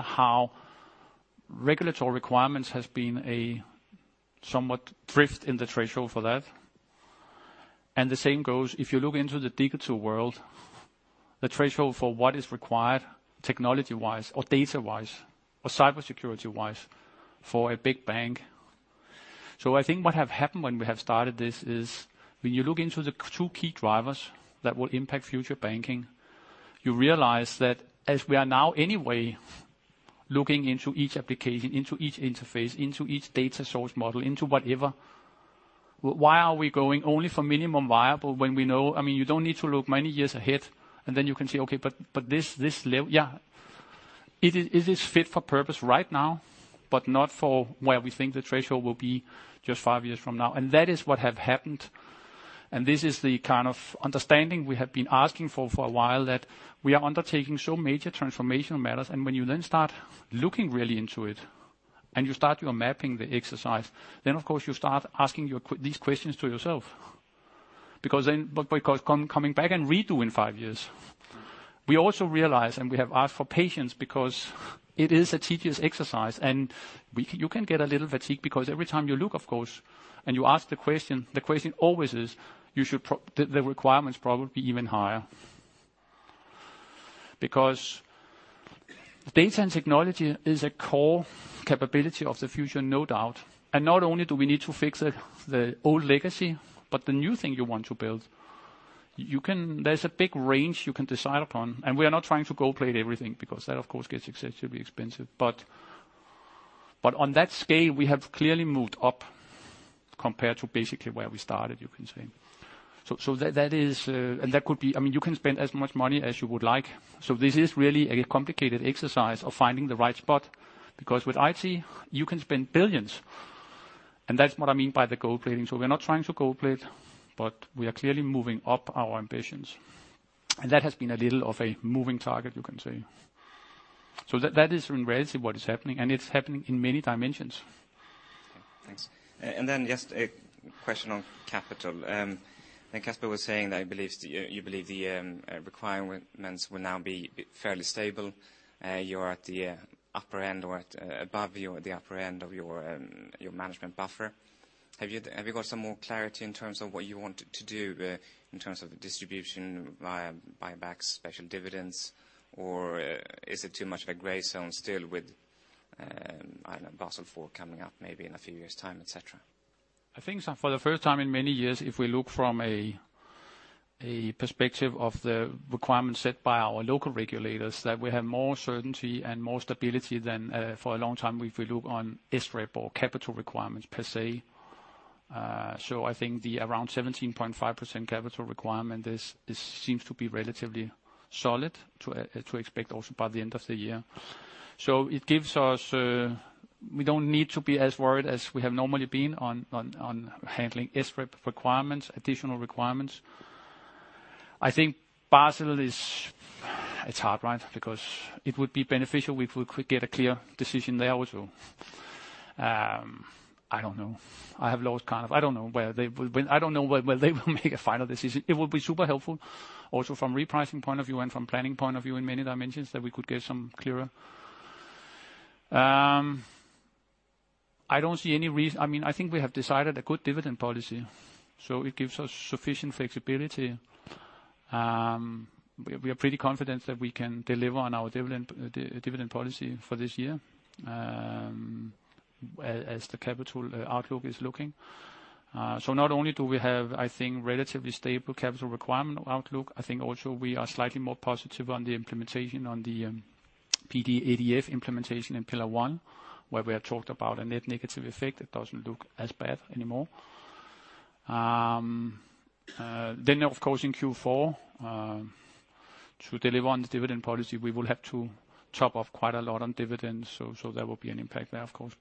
how regulatory requirements has been a somewhat drift in the threshold for that. The same goes if you look into the digital world, the threshold for what is required technology-wise or data-wise or cybersecurity-wise for a big bank. I think what have happened when we have started this is, when you look into the two key drivers that will impact future banking, you realize that as we are now anyway looking into each application, into each interface, into each data source model, into whatever, why are we going only for minimum viable when we know. You don't need to look many years ahead, and then you can say, "Okay, but this level." Yeah. It is fit for purpose right now, but not for where we think the threshold will be just five years from now. That is what has happened. This is the kind of understanding we have been asking for a while, that we are undertaking some major transformational matters. When you then start looking really into it, and you start your mapping the exercise, then of course you start asking these questions to yourself. Coming back and redo in five years. We also realize, and we have asked for patience because it is a tedious exercise, and you can get a little fatigue because every time you look, of course, and you ask the question, the question always is, the requirement's probably even higher. Because data and technology is a core capability of the future, no doubt. Not only do we need to fix the old legacy, but the new thing you want to build. There's a big range you can decide upon, and we are not trying to gold plate everything because that, of course, gets excessively expensive. On that scale, we have clearly moved up compared to basically where we started, you can say. You can spend as much money as you would like. This is really a complicated exercise of finding the right spot, because with IT, you can spend billions, and that's what I mean by the gold plating. We're not trying to gold plate, but we are clearly moving up our ambitions. That has been a little of a moving target, you can say. That is relatively what is happening, and it's happening in many dimensions.
Okay, thanks. Then just a question on capital. Casper was saying that you believe the requirements will now be fairly stable. You're at the upper end or above the upper end of your management buffer. Have you got some more clarity in terms of what you want to do in terms of distribution via buybacks, special dividends, or is it too much of a gray zone still with Basel IV coming up maybe in a few years time, et cetera?
I think for the first time in many years, if we look from a perspective of the requirements set by our local regulators, that we have more certainty and more stability than for a long time if we look on SREP or capital requirements per se. I think the around 17.5% capital requirement seems to be relatively solid to expect also by the end of the year. We don't need to be as worried as we have normally been on handling SREP requirements, additional requirements. I think Basel is hard because it would be beneficial if we could get a clear decision there also. I don't know. I have lost I don't know when they will make a final decision. It would be super helpful also from repricing point of view and from planning point of view in many dimensions that we could get some clearer. I think we have decided a good dividend policy, it gives us sufficient flexibility. We are pretty confident that we can deliver on our dividend policy for this year as the capital outlook is looking. Not only do we have, I think, relatively stable capital requirement outlook, I think also we are slightly more positive on the PD add-on implementation in Pillar 1, where we have talked about a net negative effect that doesn't look as bad anymore. Of course, in Q4 to deliver on the dividend policy, we will have to chop off quite a lot on dividends. There will be an impact there, of course.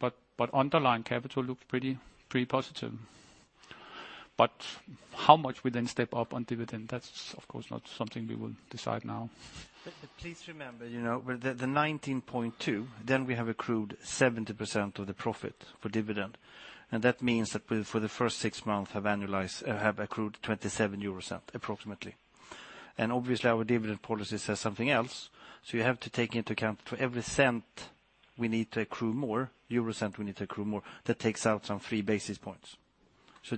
Underlying capital looks pretty positive. How much we then step up on dividend, that's of course not something we will decide now.
Please remember, the 19.2, then we have accrued 70% of the profit for dividend. That means that for the first six months have accrued 0.27 approximately. Obviously our dividend policy says something else. You have to take into account for every EUR 0.01 we need to accrue more, EUR 0.01 we need to accrue more. That takes out some three basis points.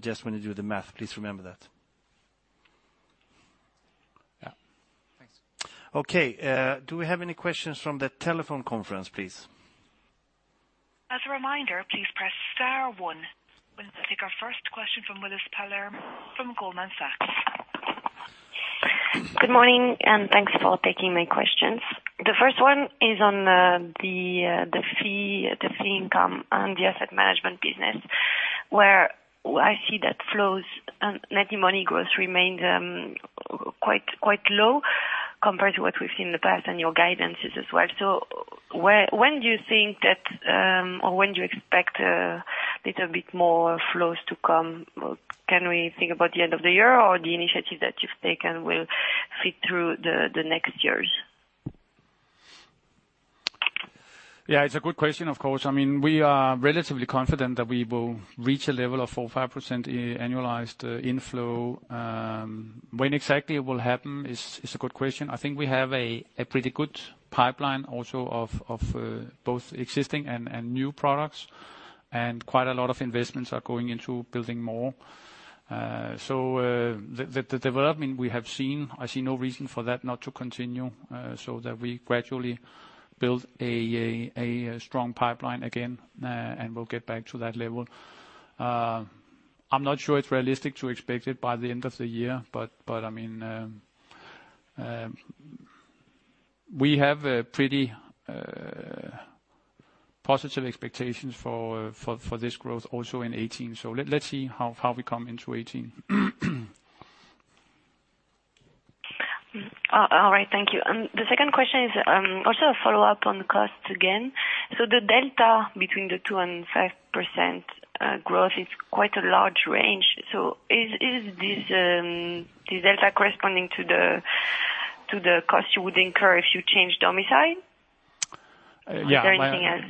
Just when you do the math, please remember that.
Yeah.
Thanks.
Okay, do we have any questions from the telephone conference, please?
As a reminder, please press star one. We'll take our first question from Willis Palerm from Goldman Sachs.
Good morning. Thanks for taking my questions. The first one is on the fee income and the asset management business, where I see that flows and net new money growth remained quite low compared to what we've seen in the past and your guidances as well. When do you think that or when do you expect a little bit more flows to come? Can we think about the end of the year or the initiative that you've taken will feed through the next years?
Yeah, it's a good question, of course. We are relatively confident that we will reach a level of 4%-5% annualized inflow. When exactly it will happen is a good question. I think we have a pretty good pipeline also of both existing and new products, and quite a lot of investments are going into building more. The development we have seen, I see no reason for that not to continue so that we gradually build a strong pipeline again and we'll get back to that level. I'm not sure it's realistic to expect it by the end of the year, but we have pretty positive expectations for this growth also in 2018. Let's see how we come into 2018.
All right. Thank you. The second question is also a follow-up on costs again. The delta between the 2%-5% growth is quite a large range. Is this delta corresponding to the cost you would incur if you change domicile?
Yeah.
Is there anything else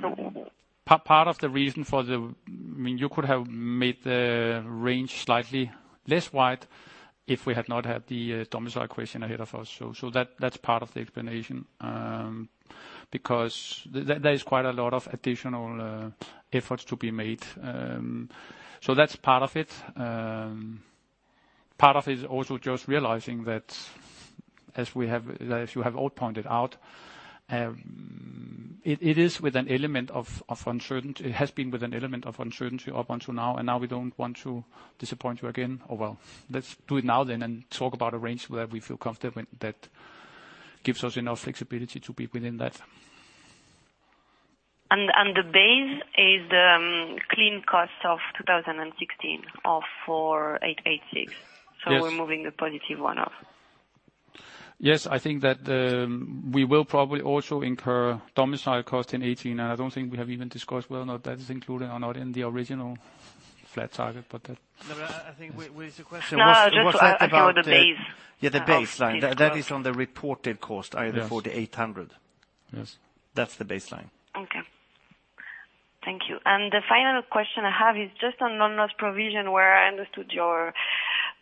or
You could have made the range slightly less wide if we had not had the domicile question ahead of us. That's part of the explanation. There is quite a lot of additional efforts to be made. That's part of it. Part of it is also just realizing that as you have all pointed out, it has been with an element of uncertainty up until now, and now we don't want to disappoint you again. Well, let's do it now then, and talk about a range where we feel comfortable that gives us enough flexibility to be within that.
The base is the clean cost of 2016 of 4,886.
Yes.
We're moving the positive one-off.
Yes, I think that we will probably also incur domicile cost in 2018, and I don't think we have even discussed whether or not that is included or not in the original flat target.
No, is the question was that about.
No, just about the base.
Yeah, the baseline. That is on the reported cost, i.e., the 4,800.
Yes.
That's the baseline.
Okay. Thank you. The final question I have is just on non-U.S. provision, where I understood your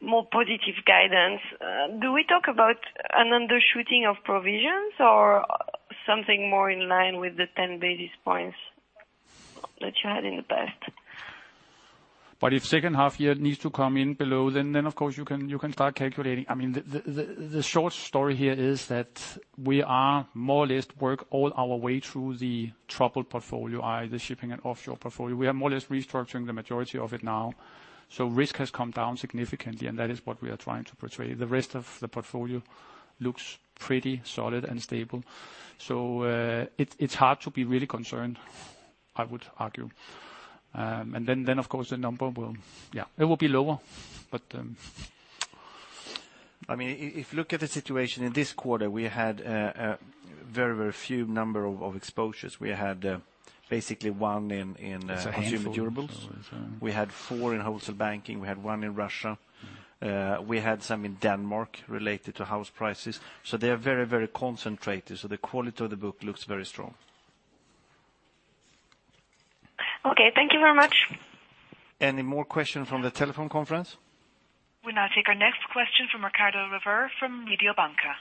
more positive guidance. Do we talk about an undershooting of provisions, or something more in line with the 10 basis points that you had in the past?
If second half year needs to come in below, then of course you can start calculating. The short story here is that we are more or less work all our way through the troubled portfolio, i.e., the shipping and offshore portfolio. We are more or less restructuring the majority of it now. Risk has come down significantly, and that is what we are trying to portray. The rest of the portfolio looks pretty solid and stable. It's hard to be really concerned, I would argue. Of course, the number it will be lower.
If you look at the situation in this quarter, we had a very few number of exposures. We had basically one in consumer durables. We had four in Wholesale Banking. We had one in Russia. We had some in Denmark related to house prices. They are very concentrated, so the quality of the book looks very strong.
Okay. Thank you very much.
Any more question from the telephone conference?
We'll now take our next question from Riccardo Rivera from Mediobanca.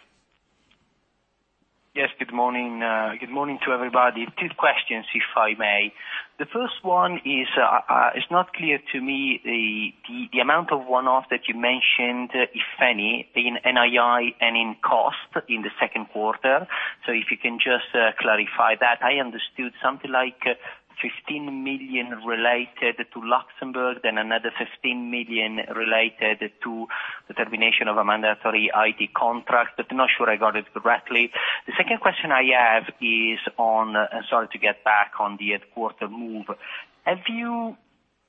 Yes, good morning to everybody. Two questions, if I may. The first one is, it's not clear to me the amount of one-off that you mentioned, if any, in NII and in cost in the second quarter. If you can just clarify that. I understood something like 15 million related to Luxembourg, then another 15 million related to the termination of a mandatory IT contract, but not sure I got it correctly. The second question I have is on, sorry to get back on the quarter move. Have you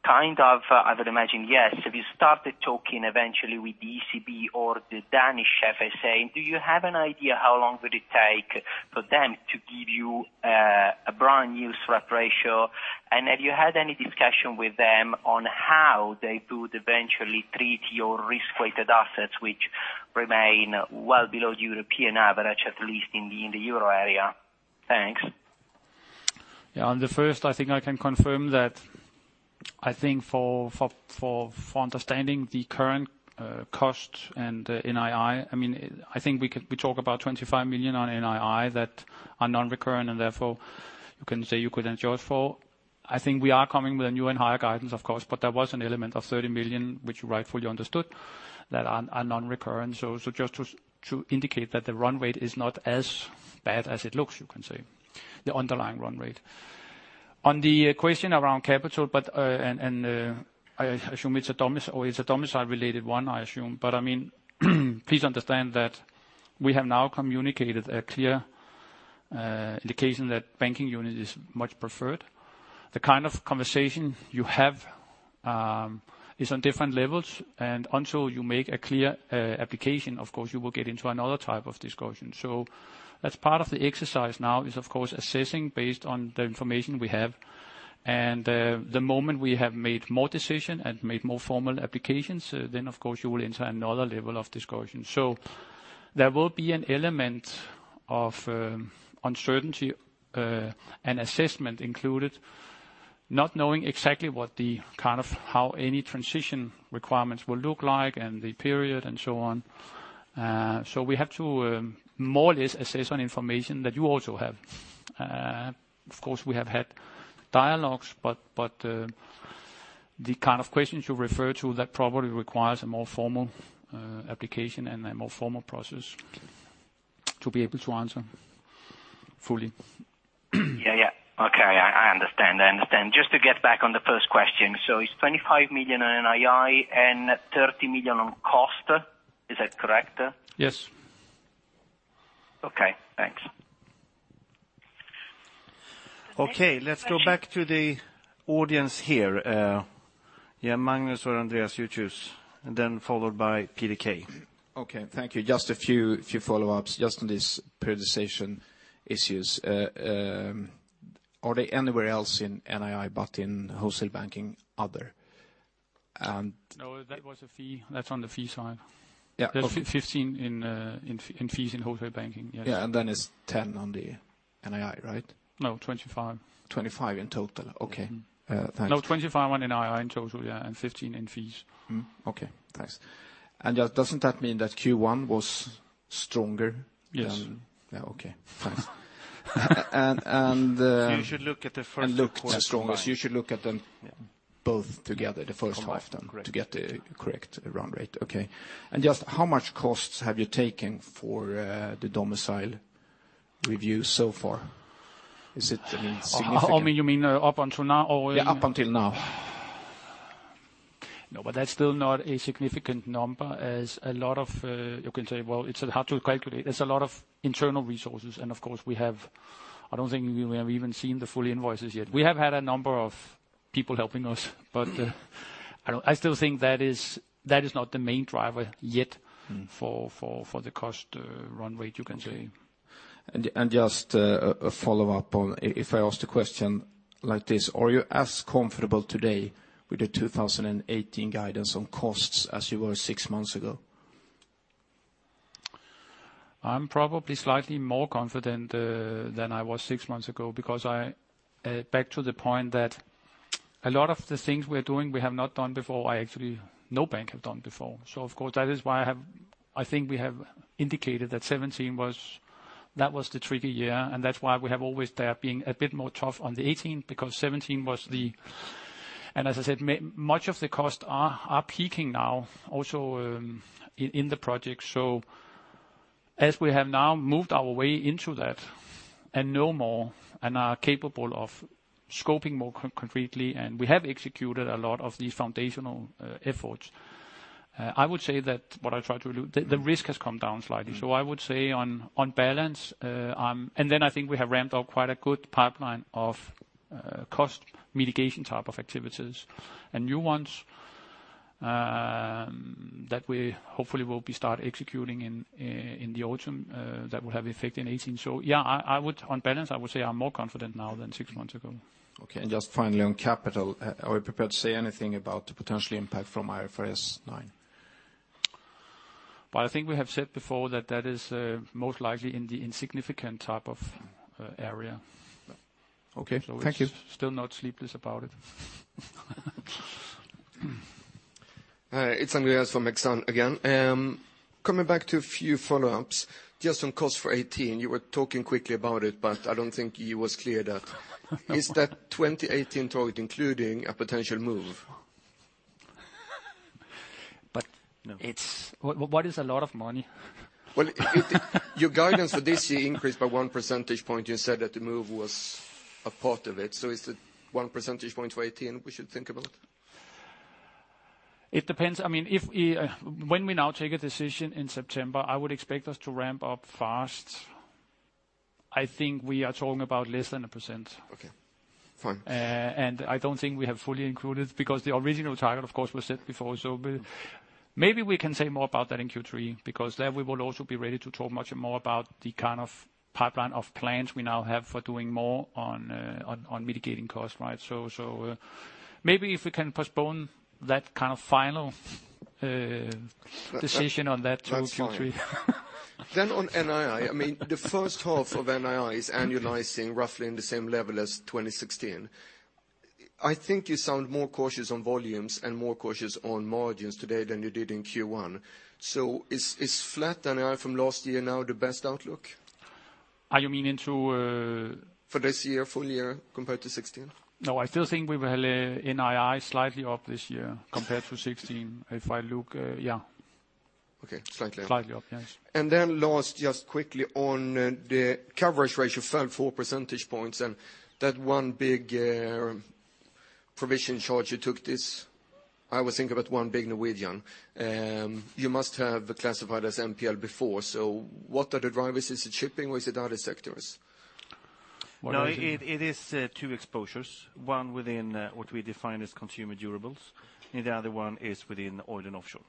kind of, I would imagine, yes, have you started talking eventually with the ECB or the Danish FSA? Do you have an idea how long would it take for them to give you a brand new SREP ratio? Have you had any discussion with them on how they would eventually treat your risk-weighted assets, which remain well below the European average, at least in the Euro area? Thanks.
On the first, I can confirm that for understanding the current cost and NII, we talk about 25 million on NII that are non-recurrent, and therefore, you can say you could enjoy it for. I think we are coming with a new and higher guidance, of course, but there was an element of 30 million, which you rightfully understood, that are non-recurrent. Just to indicate that the run rate is not as bad as it looks, you can say. The underlying run rate. On the question around capital, it's a domicile-related one, I assume. Please understand that we have now communicated a clear indication that banking union is much preferred. The kind of conversation you have is on different levels. Until you make a clear application, of course, you will get into another type of discussion. That's part of the exercise now is, of course, assessing based on the information we have. The moment we have made more decision and made more formal applications, then of course you will enter another level of discussion. There will be an element of uncertainty, and assessment included, not knowing exactly how any transition requirements will look like, and the period, and so on. We have to more or less assess on information that you also have. Of course, we have had dialogues, but the kind of questions you refer to, that probably requires a more formal application and a more formal process to be able to answer fully.
Yeah. Okay. I understand. Just to get back on the first question. It's 25 million in NII and 30 million on cost. Is that correct?
Yes.
Okay, thanks.
Let's go back to the audience here. Magnus or Andreas, you choose, and then followed by PDK.
Thank you. Just a few follow-ups just on this prioritization issues. Are they anywhere else in NII but in Wholesale Banking, other?
That was a fee. That's on the fee side.
Yeah.
There's 15 in fees in Wholesale Banking. Yes.
Yeah, it's 10 on the NII, right?
No, 25.
25 in total. Okay. Thanks.
No, 25 on NII in total, yeah, 15 in fees.
Okay, thanks. Doesn't that mean that Q1 was stronger than-
Yes.
Yeah, okay. Thanks.
You should look at the first quarter line
Look the strongest. You should look at them both together, the first half then, to get the correct run rate. Okay. Just how much costs have you taken for the domicile review so far? Is it significant?
You mean up until now?
Yeah, up until now.
No, that's still not a significant number as a lot of, you can say, well, it's hard to calculate. It's a lot of internal resources, and of course, I don't think we have even seen the full invoices yet. We have had a number of people helping us, but I still think that is not the main driver yet for the cost run rate, you can say.
Okay. Just a follow-up on, if I ask the question like this, are you as comfortable today with the 2018 guidance on costs as you were six months ago?
I'm probably slightly more confident than I was six months ago because back to the point that a lot of the things we are doing, we have not done before. Actually, no bank have done before. Of course, that is why I think we have indicated that 2017 was the tricky year. That's why we have always there been a bit more tough on the 2018, because 2017 was the and as I said, much of the costs are peaking now also in the project. As we have now moved our way into that and know more and are capable of scoping more concretely, and we have executed a lot of the foundational efforts, I would say that what I try to allude, the risk has come down slightly. I would say on balance. I think we have ramped up quite a good pipeline of cost mitigation type of activities and new ones that we hopefully will be start executing in the autumn that will have effect in 2018. Yeah, on balance, I would say I'm more confident now than six months ago.
Okay. Just finally, on capital, are we prepared to say anything about the potential impact from IFRS 9?
Well, I think we have said before that that is most likely in the insignificant type of area.
Okay. Thank you.
Still not sleepless about it.
Hi, it's Andreas from Exane again. Coming back to a few follow-ups. Just on cost for 2018, you were talking quickly about it, I don't think you were clear. Is that 2018 target including a potential move?
It's what is a lot of money?
your guidance for this year increased by one percentage point. You said that the move was a part of it. Is it one percentage point for 2018 we should think about?
It depends. When we now take a decision in September, I would expect us to ramp up fast. I think we are talking about less than 1%.
Okay, fine.
I don't think we have fully included, because the original target of course was set before. Maybe we can say more about that in Q3, because there we will also be ready to talk much more about the kind of pipeline of plans we now have for doing more on mitigating costs. Maybe if we can postpone that kind of final decision on that to Q3.
That's fine. On NII, the first half of NII is annualizing roughly in the same level as 2016. I think you sound more cautious on volumes and more cautious on margins today than you did in Q1. Is flat NII from last year now the best outlook?
You mean into
For this year, full year compared to 2016.
No, I still think we will have NII slightly up this year compared to 2016 if I look. Yeah.
Okay, slightly up.
Slightly up, yes.
Last, just quickly on the coverage ratio fell four percentage points, and that one big provision charge you took this, I was thinking about one big Norwegian. You must have classified as NPL before. What are the drivers? Is it shipping or is it other sectors?
No, it is two exposures. One within what we define as consumer durables, the other one is within oil and offshore.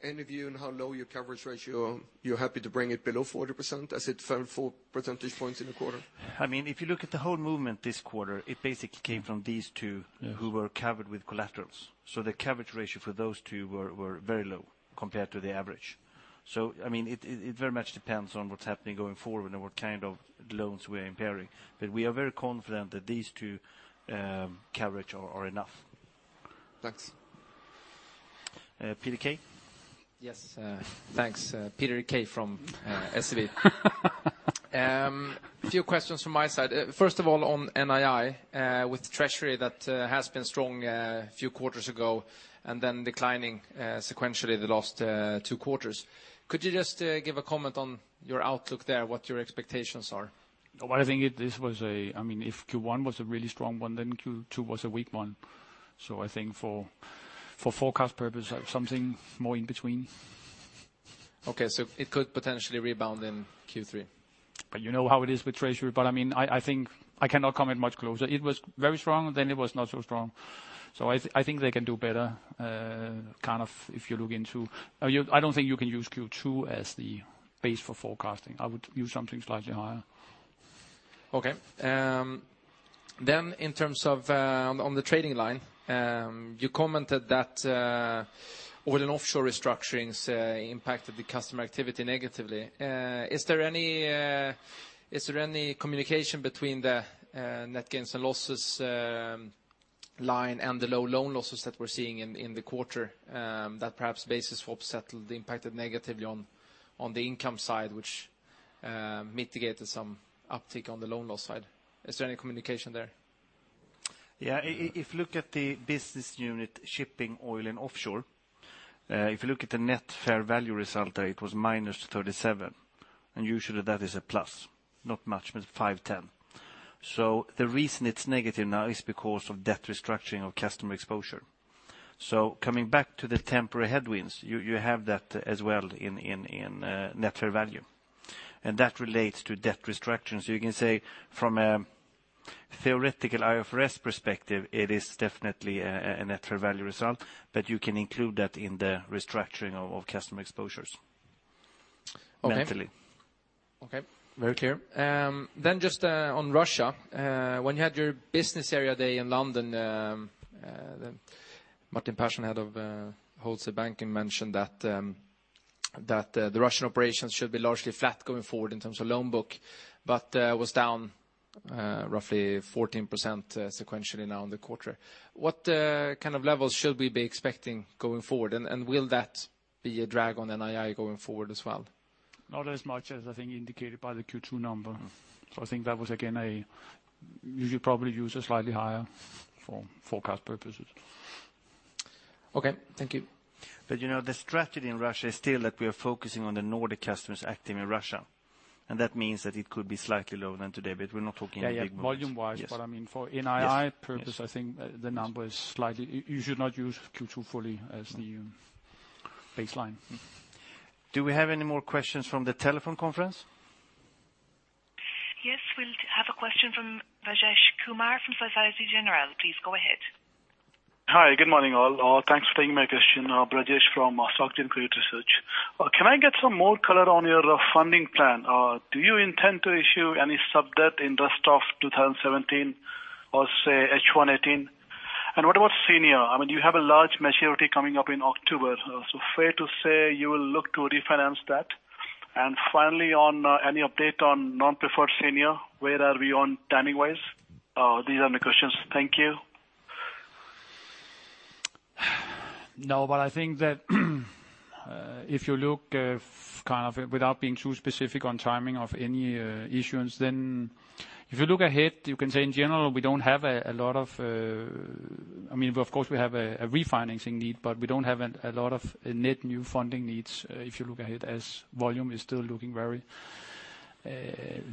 If you, on how low your coverage ratio, you're happy to bring it below 40% as it fell four percentage points in the quarter?
If you look at the whole movement this quarter, it basically came from these two who were covered with collaterals. The coverage ratio for those two were very low compared to the average. It very much depends on what's happening going forward and what kind of loans we are impairing. We are very confident that these two coverage are enough.
Thanks.
Peter K?
Yes, thanks. Peter K from SEB. A few questions from my side. First of all, on NII, with treasury that has been strong a few quarters ago and then declining sequentially the last two quarters. Could you just give a comment on your outlook there, what your expectations are?
I think if Q1 was a really strong one, Q2 was a weak one. I think for forecast purpose, something more in between.
It could potentially rebound in Q3?
You know how it is with treasury, I think I cannot comment much closer. It was very strong, it was not so strong. I think they can do better if you look into I don't think you can use Q2 as the base for forecasting. I would use something slightly higher.
In terms of on the trading line, you commented that oil and offshore restructurings impacted the customer activity negatively. Is there any communication between the net gains and losses line and the low loan losses that we're seeing in the quarter that perhaps basis for settlement impacted negatively on the income side, which mitigated some uptick on the loan loss side. Is there any communication there?
Yeah. If you look at the business unit shipping oil and offshore, if you look at the net fair value result there, it was -37, and usually that is a plus, not much, but 510. The reason it's negative now is because of debt restructuring of customer exposure. Coming back to the temporary headwinds, you have that as well in net fair value, and that relates to debt restructuring. You can say from a theoretical IFRS perspective, it is definitely a net fair value result, but you can include that in the restructuring of customer exposures mentally.
Okay. Very clear. Just on Russia, when you had your business area day in London, Martin Persson, Head of Wholesale Banking, mentioned that the Russian operations should be largely flat going forward in terms of loan book, but was down roughly 14% sequentially now in the quarter. What kind of levels should we be expecting going forward, and will that be a drag on NII going forward as well?
Not as much as I think indicated by the Q2 number. I think that was, again, you should probably use a slightly higher for forecast purposes.
Okay. Thank you.
The strategy in Russia is still that we are focusing on the Nordic customers active in Russia, and that means that it could be slightly lower than today, we're not talking big numbers.
Yeah. Volume-wise.
Yes.
For NII purpose.
Yes
You should not use Q2 fully as the baseline.
Do we have any more questions from the telephone conference?
Yes. We have a question from Brajesh Kumar from Societe Generale. Please go ahead.
Hi. Good morning, all. Thanks for taking my question. Brajesh from Soci Credit Research. Can I get some more color on your funding plan? Do you intend to issue any sub-debt in the rest of 2017 or say H1 2018? What about senior? You have a large maturity coming up in October, so fair to say you will look to refinance that? Finally, any update on non-preferred senior? Where are we on timing-wise? These are my questions. Thank you.
I think that if you look without being too specific on timing of any issuance, if you look ahead, you can say in general, we don't have. Of course, we have a refinancing need, but we don't have a lot of net new funding needs if you look ahead as volume is still looking very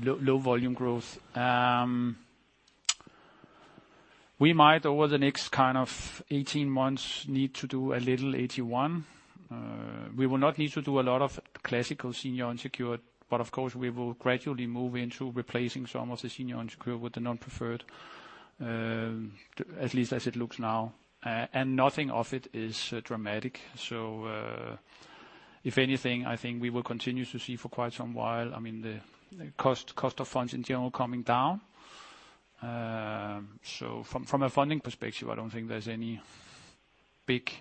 low volume growth. We might, over the next 18 months, need to do a little AT1. We will not need to do a lot of classical senior unsecured, but of course, we will gradually move into replacing some of the senior unsecured with the non-preferred, at least as it looks now. Nothing of it is dramatic. If anything, I think we will continue to see for quite some while the cost of funds in general coming down. From a funding perspective, I don't think there's any big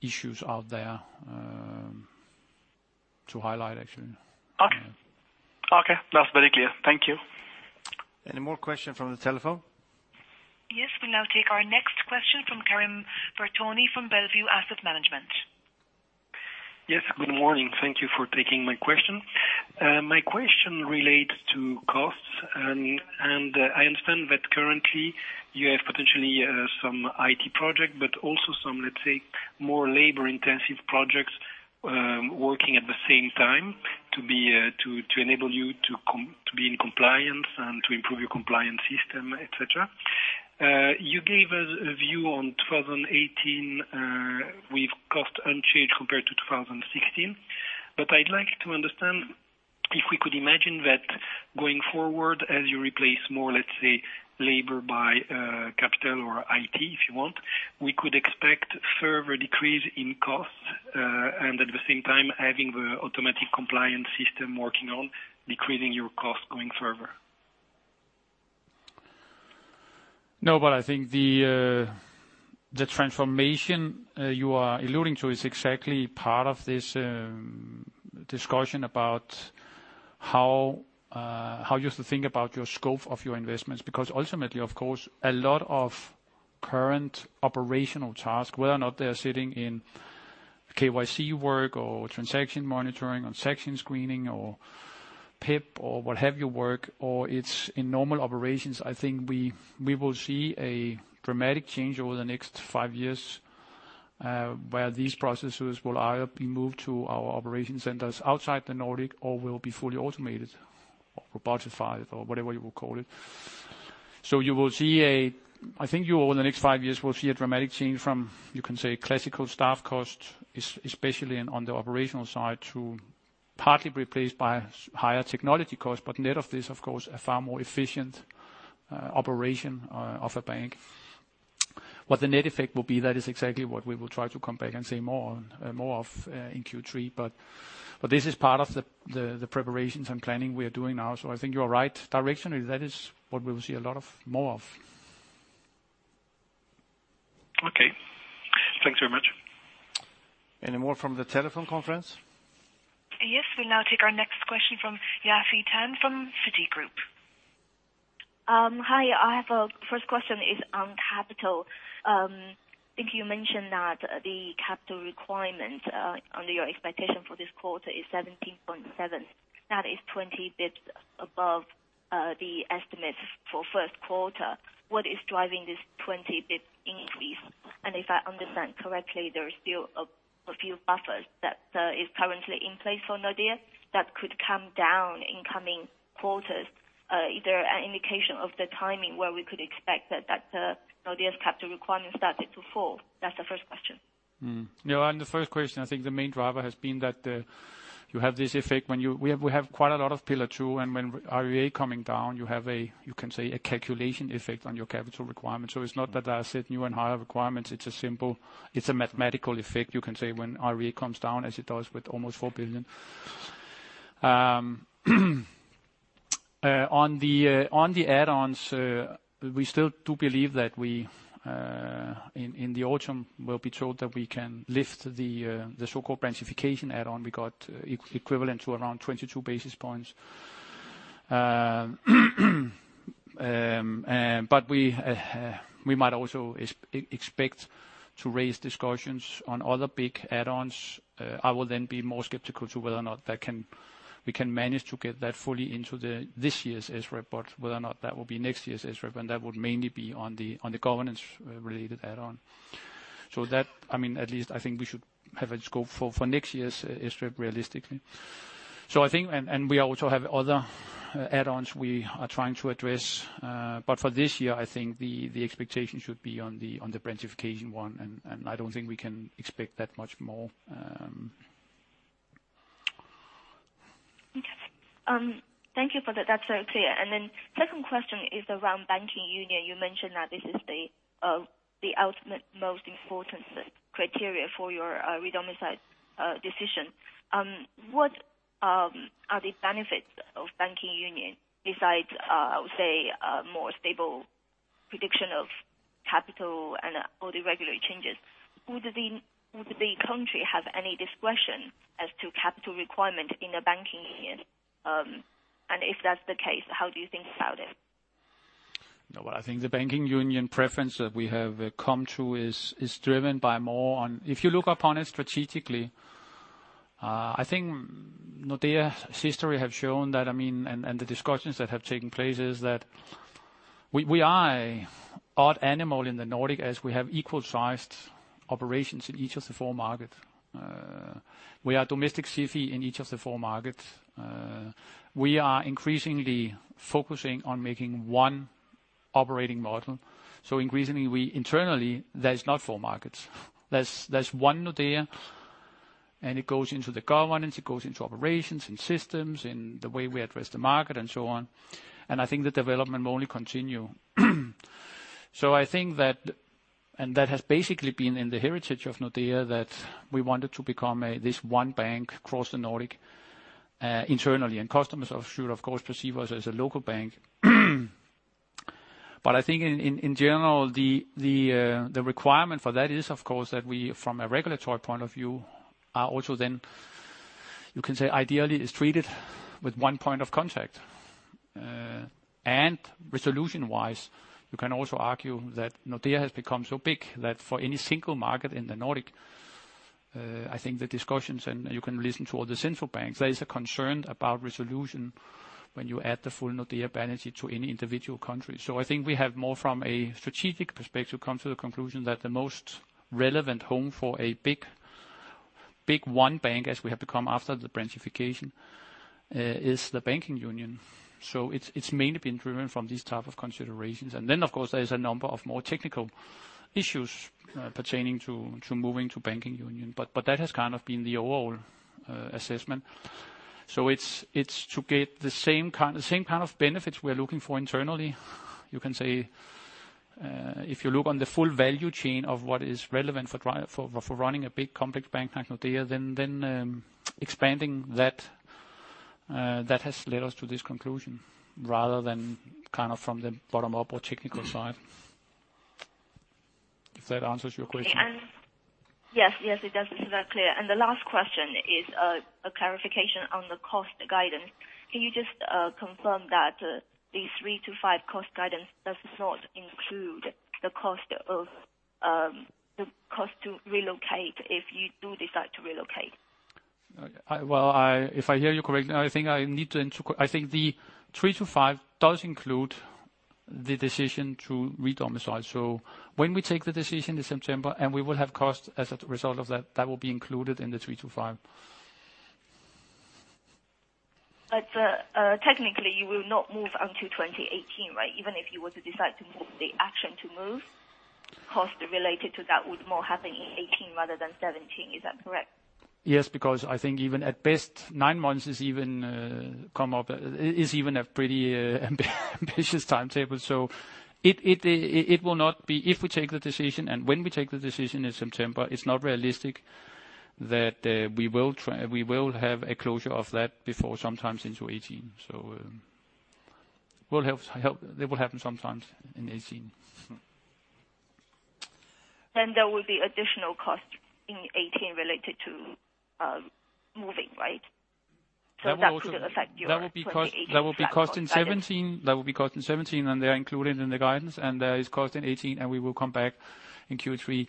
issues out there to highlight, actually.
Okay. That's very clear. Thank you.
Any more question from the telephone?
Yes. We'll now take our next question from Karim Bertoni from Bellevue Asset Management.
Yes, good morning. Thank you for taking my question. My question relates to costs. I understand that currently you have potentially some IT project, but also some, let's say, more labor-intensive projects working at the same time to enable you to be in compliance and to improve your compliance system, et cetera. You gave us a view on 2018 with cost unchanged compared to 2016. I'd like to understand if we could imagine that going forward as you replace more, let's say, labor by capital or IT, if you want, we could expect further decrease in costs, and at the same time, having the automatic compliance system working on decreasing your cost going further.
No, I think the transformation you are alluding to is exactly part of this discussion about how you should think about your scope of your investments. Ultimately, of course, a lot of current operational tasks, whether or not they're sitting in KYC work or transaction monitoring, transaction screening or PEP or what have you work, or it's in normal operations, I think we will see a dramatic change over the next five years, where these processes will either be moved to our operation centers outside the Nordic or will be fully automated or robotified or whatever you will call it. I think you, over the next five years, will see a dramatic change from, you can say, classical staff cost, especially on the operational side, to partly replaced by higher technology cost. Net of this, of course, a far more efficient operation of a bank. What the net effect will be, that is exactly what we will try to come back and say more of in Q3. This is part of the preparations and planning we are doing now. I think you are right directionally. That is what we will see a lot more of.
Okay. Thanks very much.
Any more from the telephone conference?
Yes. We now take our next question from Yafei Tan from Citigroup.
Hi. I have a first question is on capital. I think you mentioned that the capital requirement under your expectation for this quarter is 17.7. That is 20 basis points above the estimates for first quarter. What is driving this 20 basis points increase? If I understand correctly, there is still a few buffers that is currently in place for Nordea that could come down in coming quarters. Is there an indication of the timing where we could expect that Nordea's capital requirement started to fall? That's the first question.
On the first question, I think the main driver has been that We have quite a lot of Pillar 2, and when RWA coming down, you have a, you can say, a calculation effect on your capital requirement. It's not that I set new and higher requirements. It's a mathematical effect, you can say, when RWA comes down as it does with almost EUR 4 billion. On the add-ons, we still do believe that we, in the autumn, will be told that we can lift the so-called branchification add-on. We got equivalent to around 22 basis points. We might also expect to raise discussions on other big add-ons. I will then be more skeptical to whether or not we can manage to get that fully into this year's SREP, but whether or not that will be next year's SREP, and that would mainly be on the governance-related add-on. That, at least I think we should have a scope for next year's SREP, realistically. I think, and we also have other add-ons we are trying to address. For this year, I think the expectation should be on the branchification one, and I don't think we can expect that much more.
Okay. Thank you for that. That's very clear. Then second question is around banking union. You mentioned that this is the ultimate, most important criteria for your redomicile decision. What are the benefits of banking union besides, I would say, more stable prediction of capital and all the regulatory changes? Would the country have any discretion as to capital requirement in a banking union? If that's the case, how do you think about it?
Well, I think the banking union preference that we have come to is driven by more. If you look upon it strategically, I think Nordea's history have shown that, and the discussions that have taken place is that we are odd animal in the Nordic as we have equal-sized operations in each of the four markets. We are domestic SIFI in each of the four markets. We are increasingly focusing on making one operating model. Increasingly, we internally, there's not four markets. There's one Nordea, and it goes into the governance, it goes into operations and systems, in the way we address the market and so on. I think the development will only continue. I think that, and that has basically been in the heritage of Nordea that we wanted to become this one bank across the Nordic internally, and customers should, of course, perceive us as a local bank. I think in general, the requirement for that is, of course, that we, from a regulatory point of view, are also then, you can say, ideally is treated with one point of contact. Resolution-wise, you can also argue that Nordea has become so big that for any single market in the Nordic, I think the discussions, and you can listen to all the central banks, there is a concern about resolution when you add the full Nordea balance sheet to any individual country. I think we have more from a strategic perspective, come to the conclusion that the most relevant home for a big one bank as we have become after the branchification is the banking union. It's mainly been driven from these type of considerations. Then, of course, there's a number of more technical issues pertaining to moving to banking union. That has kind of been the overall assessment. It's to get the same kind of benefits we're looking for internally. You can say, if you look on the full value chain of what is relevant for running a big complex bank like Nordea, then expanding that has led us to this conclusion rather than from the bottom up or technical side. If that answers your question.
Yes, it does. It's very clear. The last question is a clarification on the cost guidance. Can you just confirm that the 3%-5% cost guidance does not include the cost to relocate if you do decide to relocate?
Well, if I hear you correctly, I think the 3%-5% does include the decision to redomicile. When we take the decision in September, and we will have cost as a result of that will be included in the 3%-5%.
Technically, you will not move until 2018, right? Even if you were to decide to move, the action to move, cost related to that would more happen in 2018 rather than 2017. Is that correct?
Yes, because I think even at best, nine months is even a pretty ambitious timetable. It will not be if we take the decision, and when we take the decision in September, it is not realistic that we will have a closure of that before sometime into 2018. They will happen sometimes in 2018.
There will be additional cost in 2018 related to moving, right?
That will be cost-
That wouldn't affect your 2018 platform.
That will be cost in 2017. They're included in the guidance. There is cost in 2018, and we will come back in Q3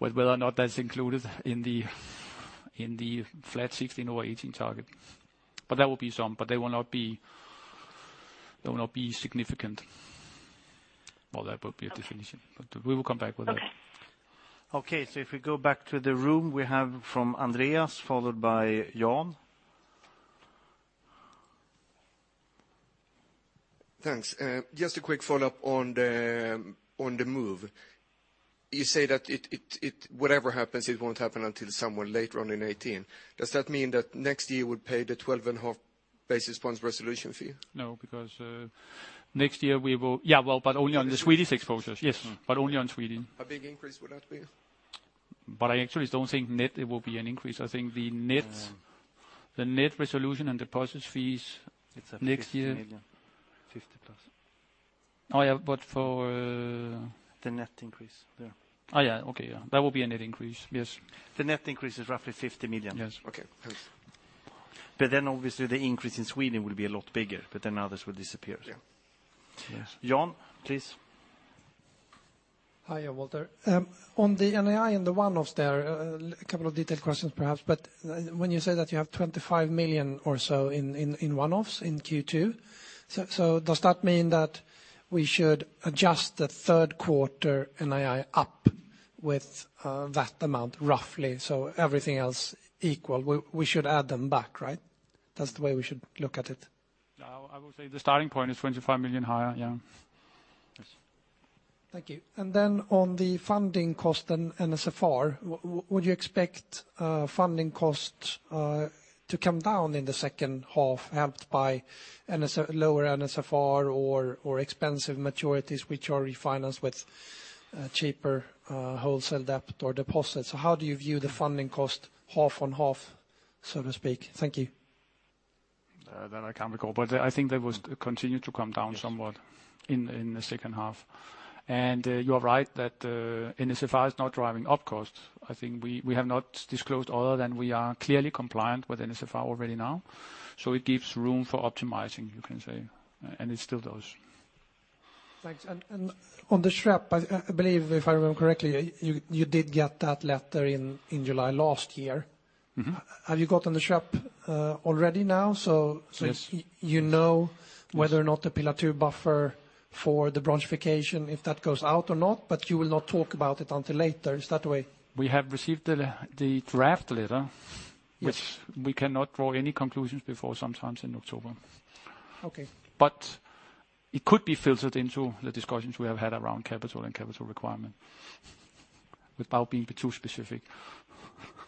with whether or not that's included in the flat 2016 or 2018 target. There will be some, but they will not be significant. That will be a definition.
Okay.
We will come back with that.
Okay. If we go back to the room, we have from Andreas, followed by Jan.
Thanks. Just a quick follow-up on the move. You say that whatever happens, it won't happen until somewhat later on in 2018. Does that mean that next year we'll pay the 12.5 basis points resolution fee?
No, because next year we will. Yeah, only on the Swedish exposures. Yes, only on Sweden.
How big increase would that be?
I actually don't think net it will be an increase. I think the net resolution and deposits fees next year-
It's at 50 million. 50+.
Oh, yeah.
The net increase. Yeah.
Oh, yeah. Okay. That will be a net increase. Yes.
The net increase is roughly 50 million.
Yes.
Okay, thanks.
Obviously the increase in Sweden will be a lot bigger, but then others will disappear.
Yeah.
Yes. Jan, please.
Hiya, Walter. On the NII and the one-offs there, a couple of detailed questions perhaps, but when you say that you have 25 million or so in one-offs in Q2, so does that mean that we should adjust the third quarter NII up with that amount roughly, so everything else equal, we should add them back, right? That's the way we should look at it.
I would say the starting point is 25 million higher, yeah.
Thank you. Then on the funding cost and NSFR, would you expect funding cost to come down in the second half, helped by lower NSFR or expensive maturities which are refinanced with cheaper wholesale debt or deposits? How do you view the funding cost half on half, so to speak? Thank you.
That I can't recall, I think they will continue to come down somewhat in the second half. You are right that NSFR is not driving up cost. I think we have not disclosed other than we are clearly compliant with NSFR already now, so it gives room for optimizing, you can say, and it still does.
Thanks. On the SREP, I believe if I remember correctly, you did get that letter in July last year. Have you got on the SREP already now?
Yes
You know whether or not the Pillar 2 buffer for the branchification, if that goes out or not, you will not talk about it until later, is that the way?
We have received the draft letter, which we cannot draw any conclusions before sometimes in October.
Okay.
It could be filtered into the discussions we have had around capital and capital requirement, without being too specific.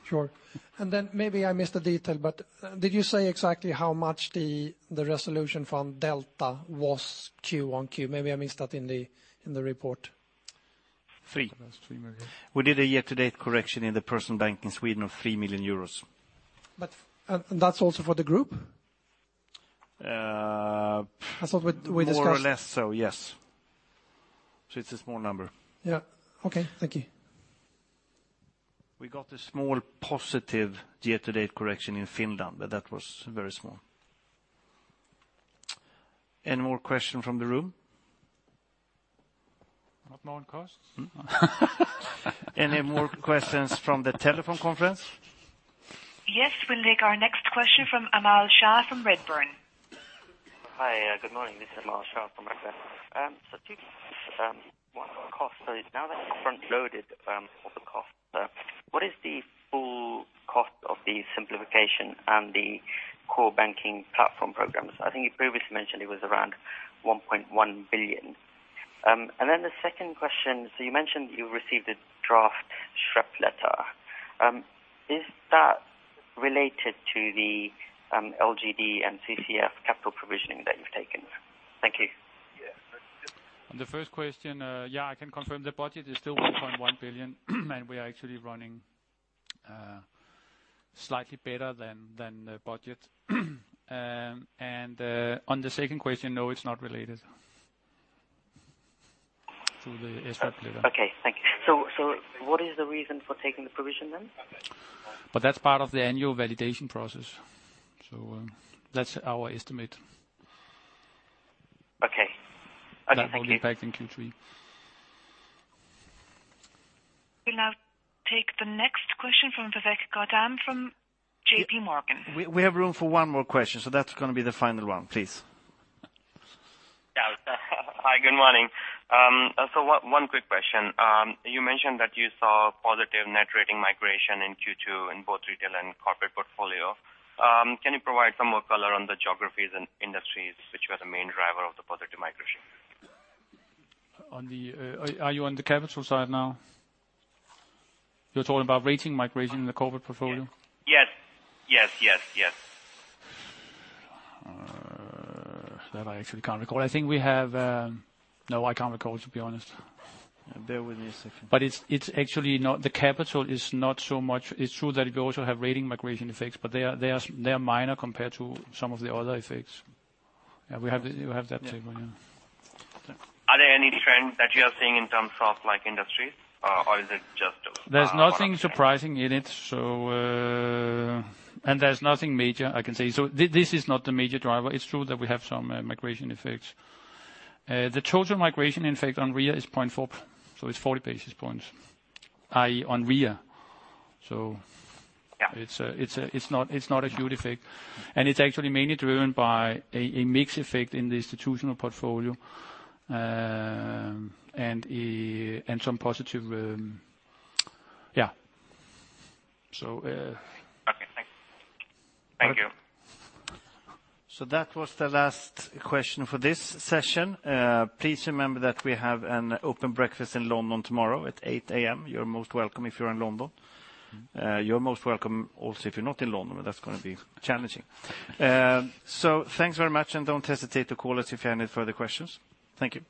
Sure. Maybe I missed a detail, but did you say exactly how much the resolution from delta was Q on Q? Maybe I missed that in the report.
Three.
That's 3 million.
We did a year-to-date correction in the personal bank in Sweden of 3 million euros.
That's also for the group? I thought we discussed-
More or less so, yes. It's a small number.
Yeah. Okay. Thank you.
We got a small positive year-to-date correction in Finland, but that was very small. Any more question from the room?
What more cost?
Any more questions from the telephone conference?
Yes. We'll take our next question from Amul Shah from Redburn.
Hi, good morning. This is Amul Shah from Redburn. Two, one on cost. Now that it's front-loaded all the costs, what is the full cost of the simplification and the core banking platform programs? I think you previously mentioned it was around 1.1 billion. The second question, you mentioned you received a draft SREP letter. Is that related to the LGD and CCF capital provisioning that you've taken? Thank you.
On the first question, yeah, I can confirm the budget is still 1.1 billion, and we are actually running slightly better than the budget. On the second question, no, it's not related to the SREP letter.
Okay, thank you. What is the reason for taking the provision then?
That's part of the annual validation process. That's our estimate.
Okay. Thank you.
That will impact in Q3.
We'll now take the next question from Vivek Gautam from JPMorgan.
We have room for one more question, that's going to be the final one. Please.
Yeah. Hi, good morning. One quick question. You mentioned that you saw positive net rating migration in Q2 in both retail and corporate portfolio. Can you provide some more color on the geographies and industries which were the main driver of the positive migration?
Are you on the capital side now? You're talking about rating migration in the corporate portfolio?
Yes. Yes, yes.
That I actually can't recall. I think we have No, I can't recall, to be honest.
Bear with me a second.
It's actually not the capital is not so much. It's true that you also have rating migration effects. They are minor compared to some of the other effects. We have that table.
Are there any trends that you are seeing in terms of industries?
There's nothing surprising in it. There's nothing major I can say. This is not the major driver. It's true that we have some migration effects. The total migration effect on RWA is 0.4. It's 40 basis points, i.e., on RWA.
Yeah.
It's not a huge effect. It's actually mainly driven by a mix effect in the institutional portfolio.
Okay, thanks. Thank you.
That was the last question for this session. Please remember that we have an open breakfast in London tomorrow at 8:00 A.M. You are most welcome if you are in London. You are most welcome also if you are not in London, but that is going to be challenging. Thanks very much, and don't hesitate to call us if you have any further questions. Thank you.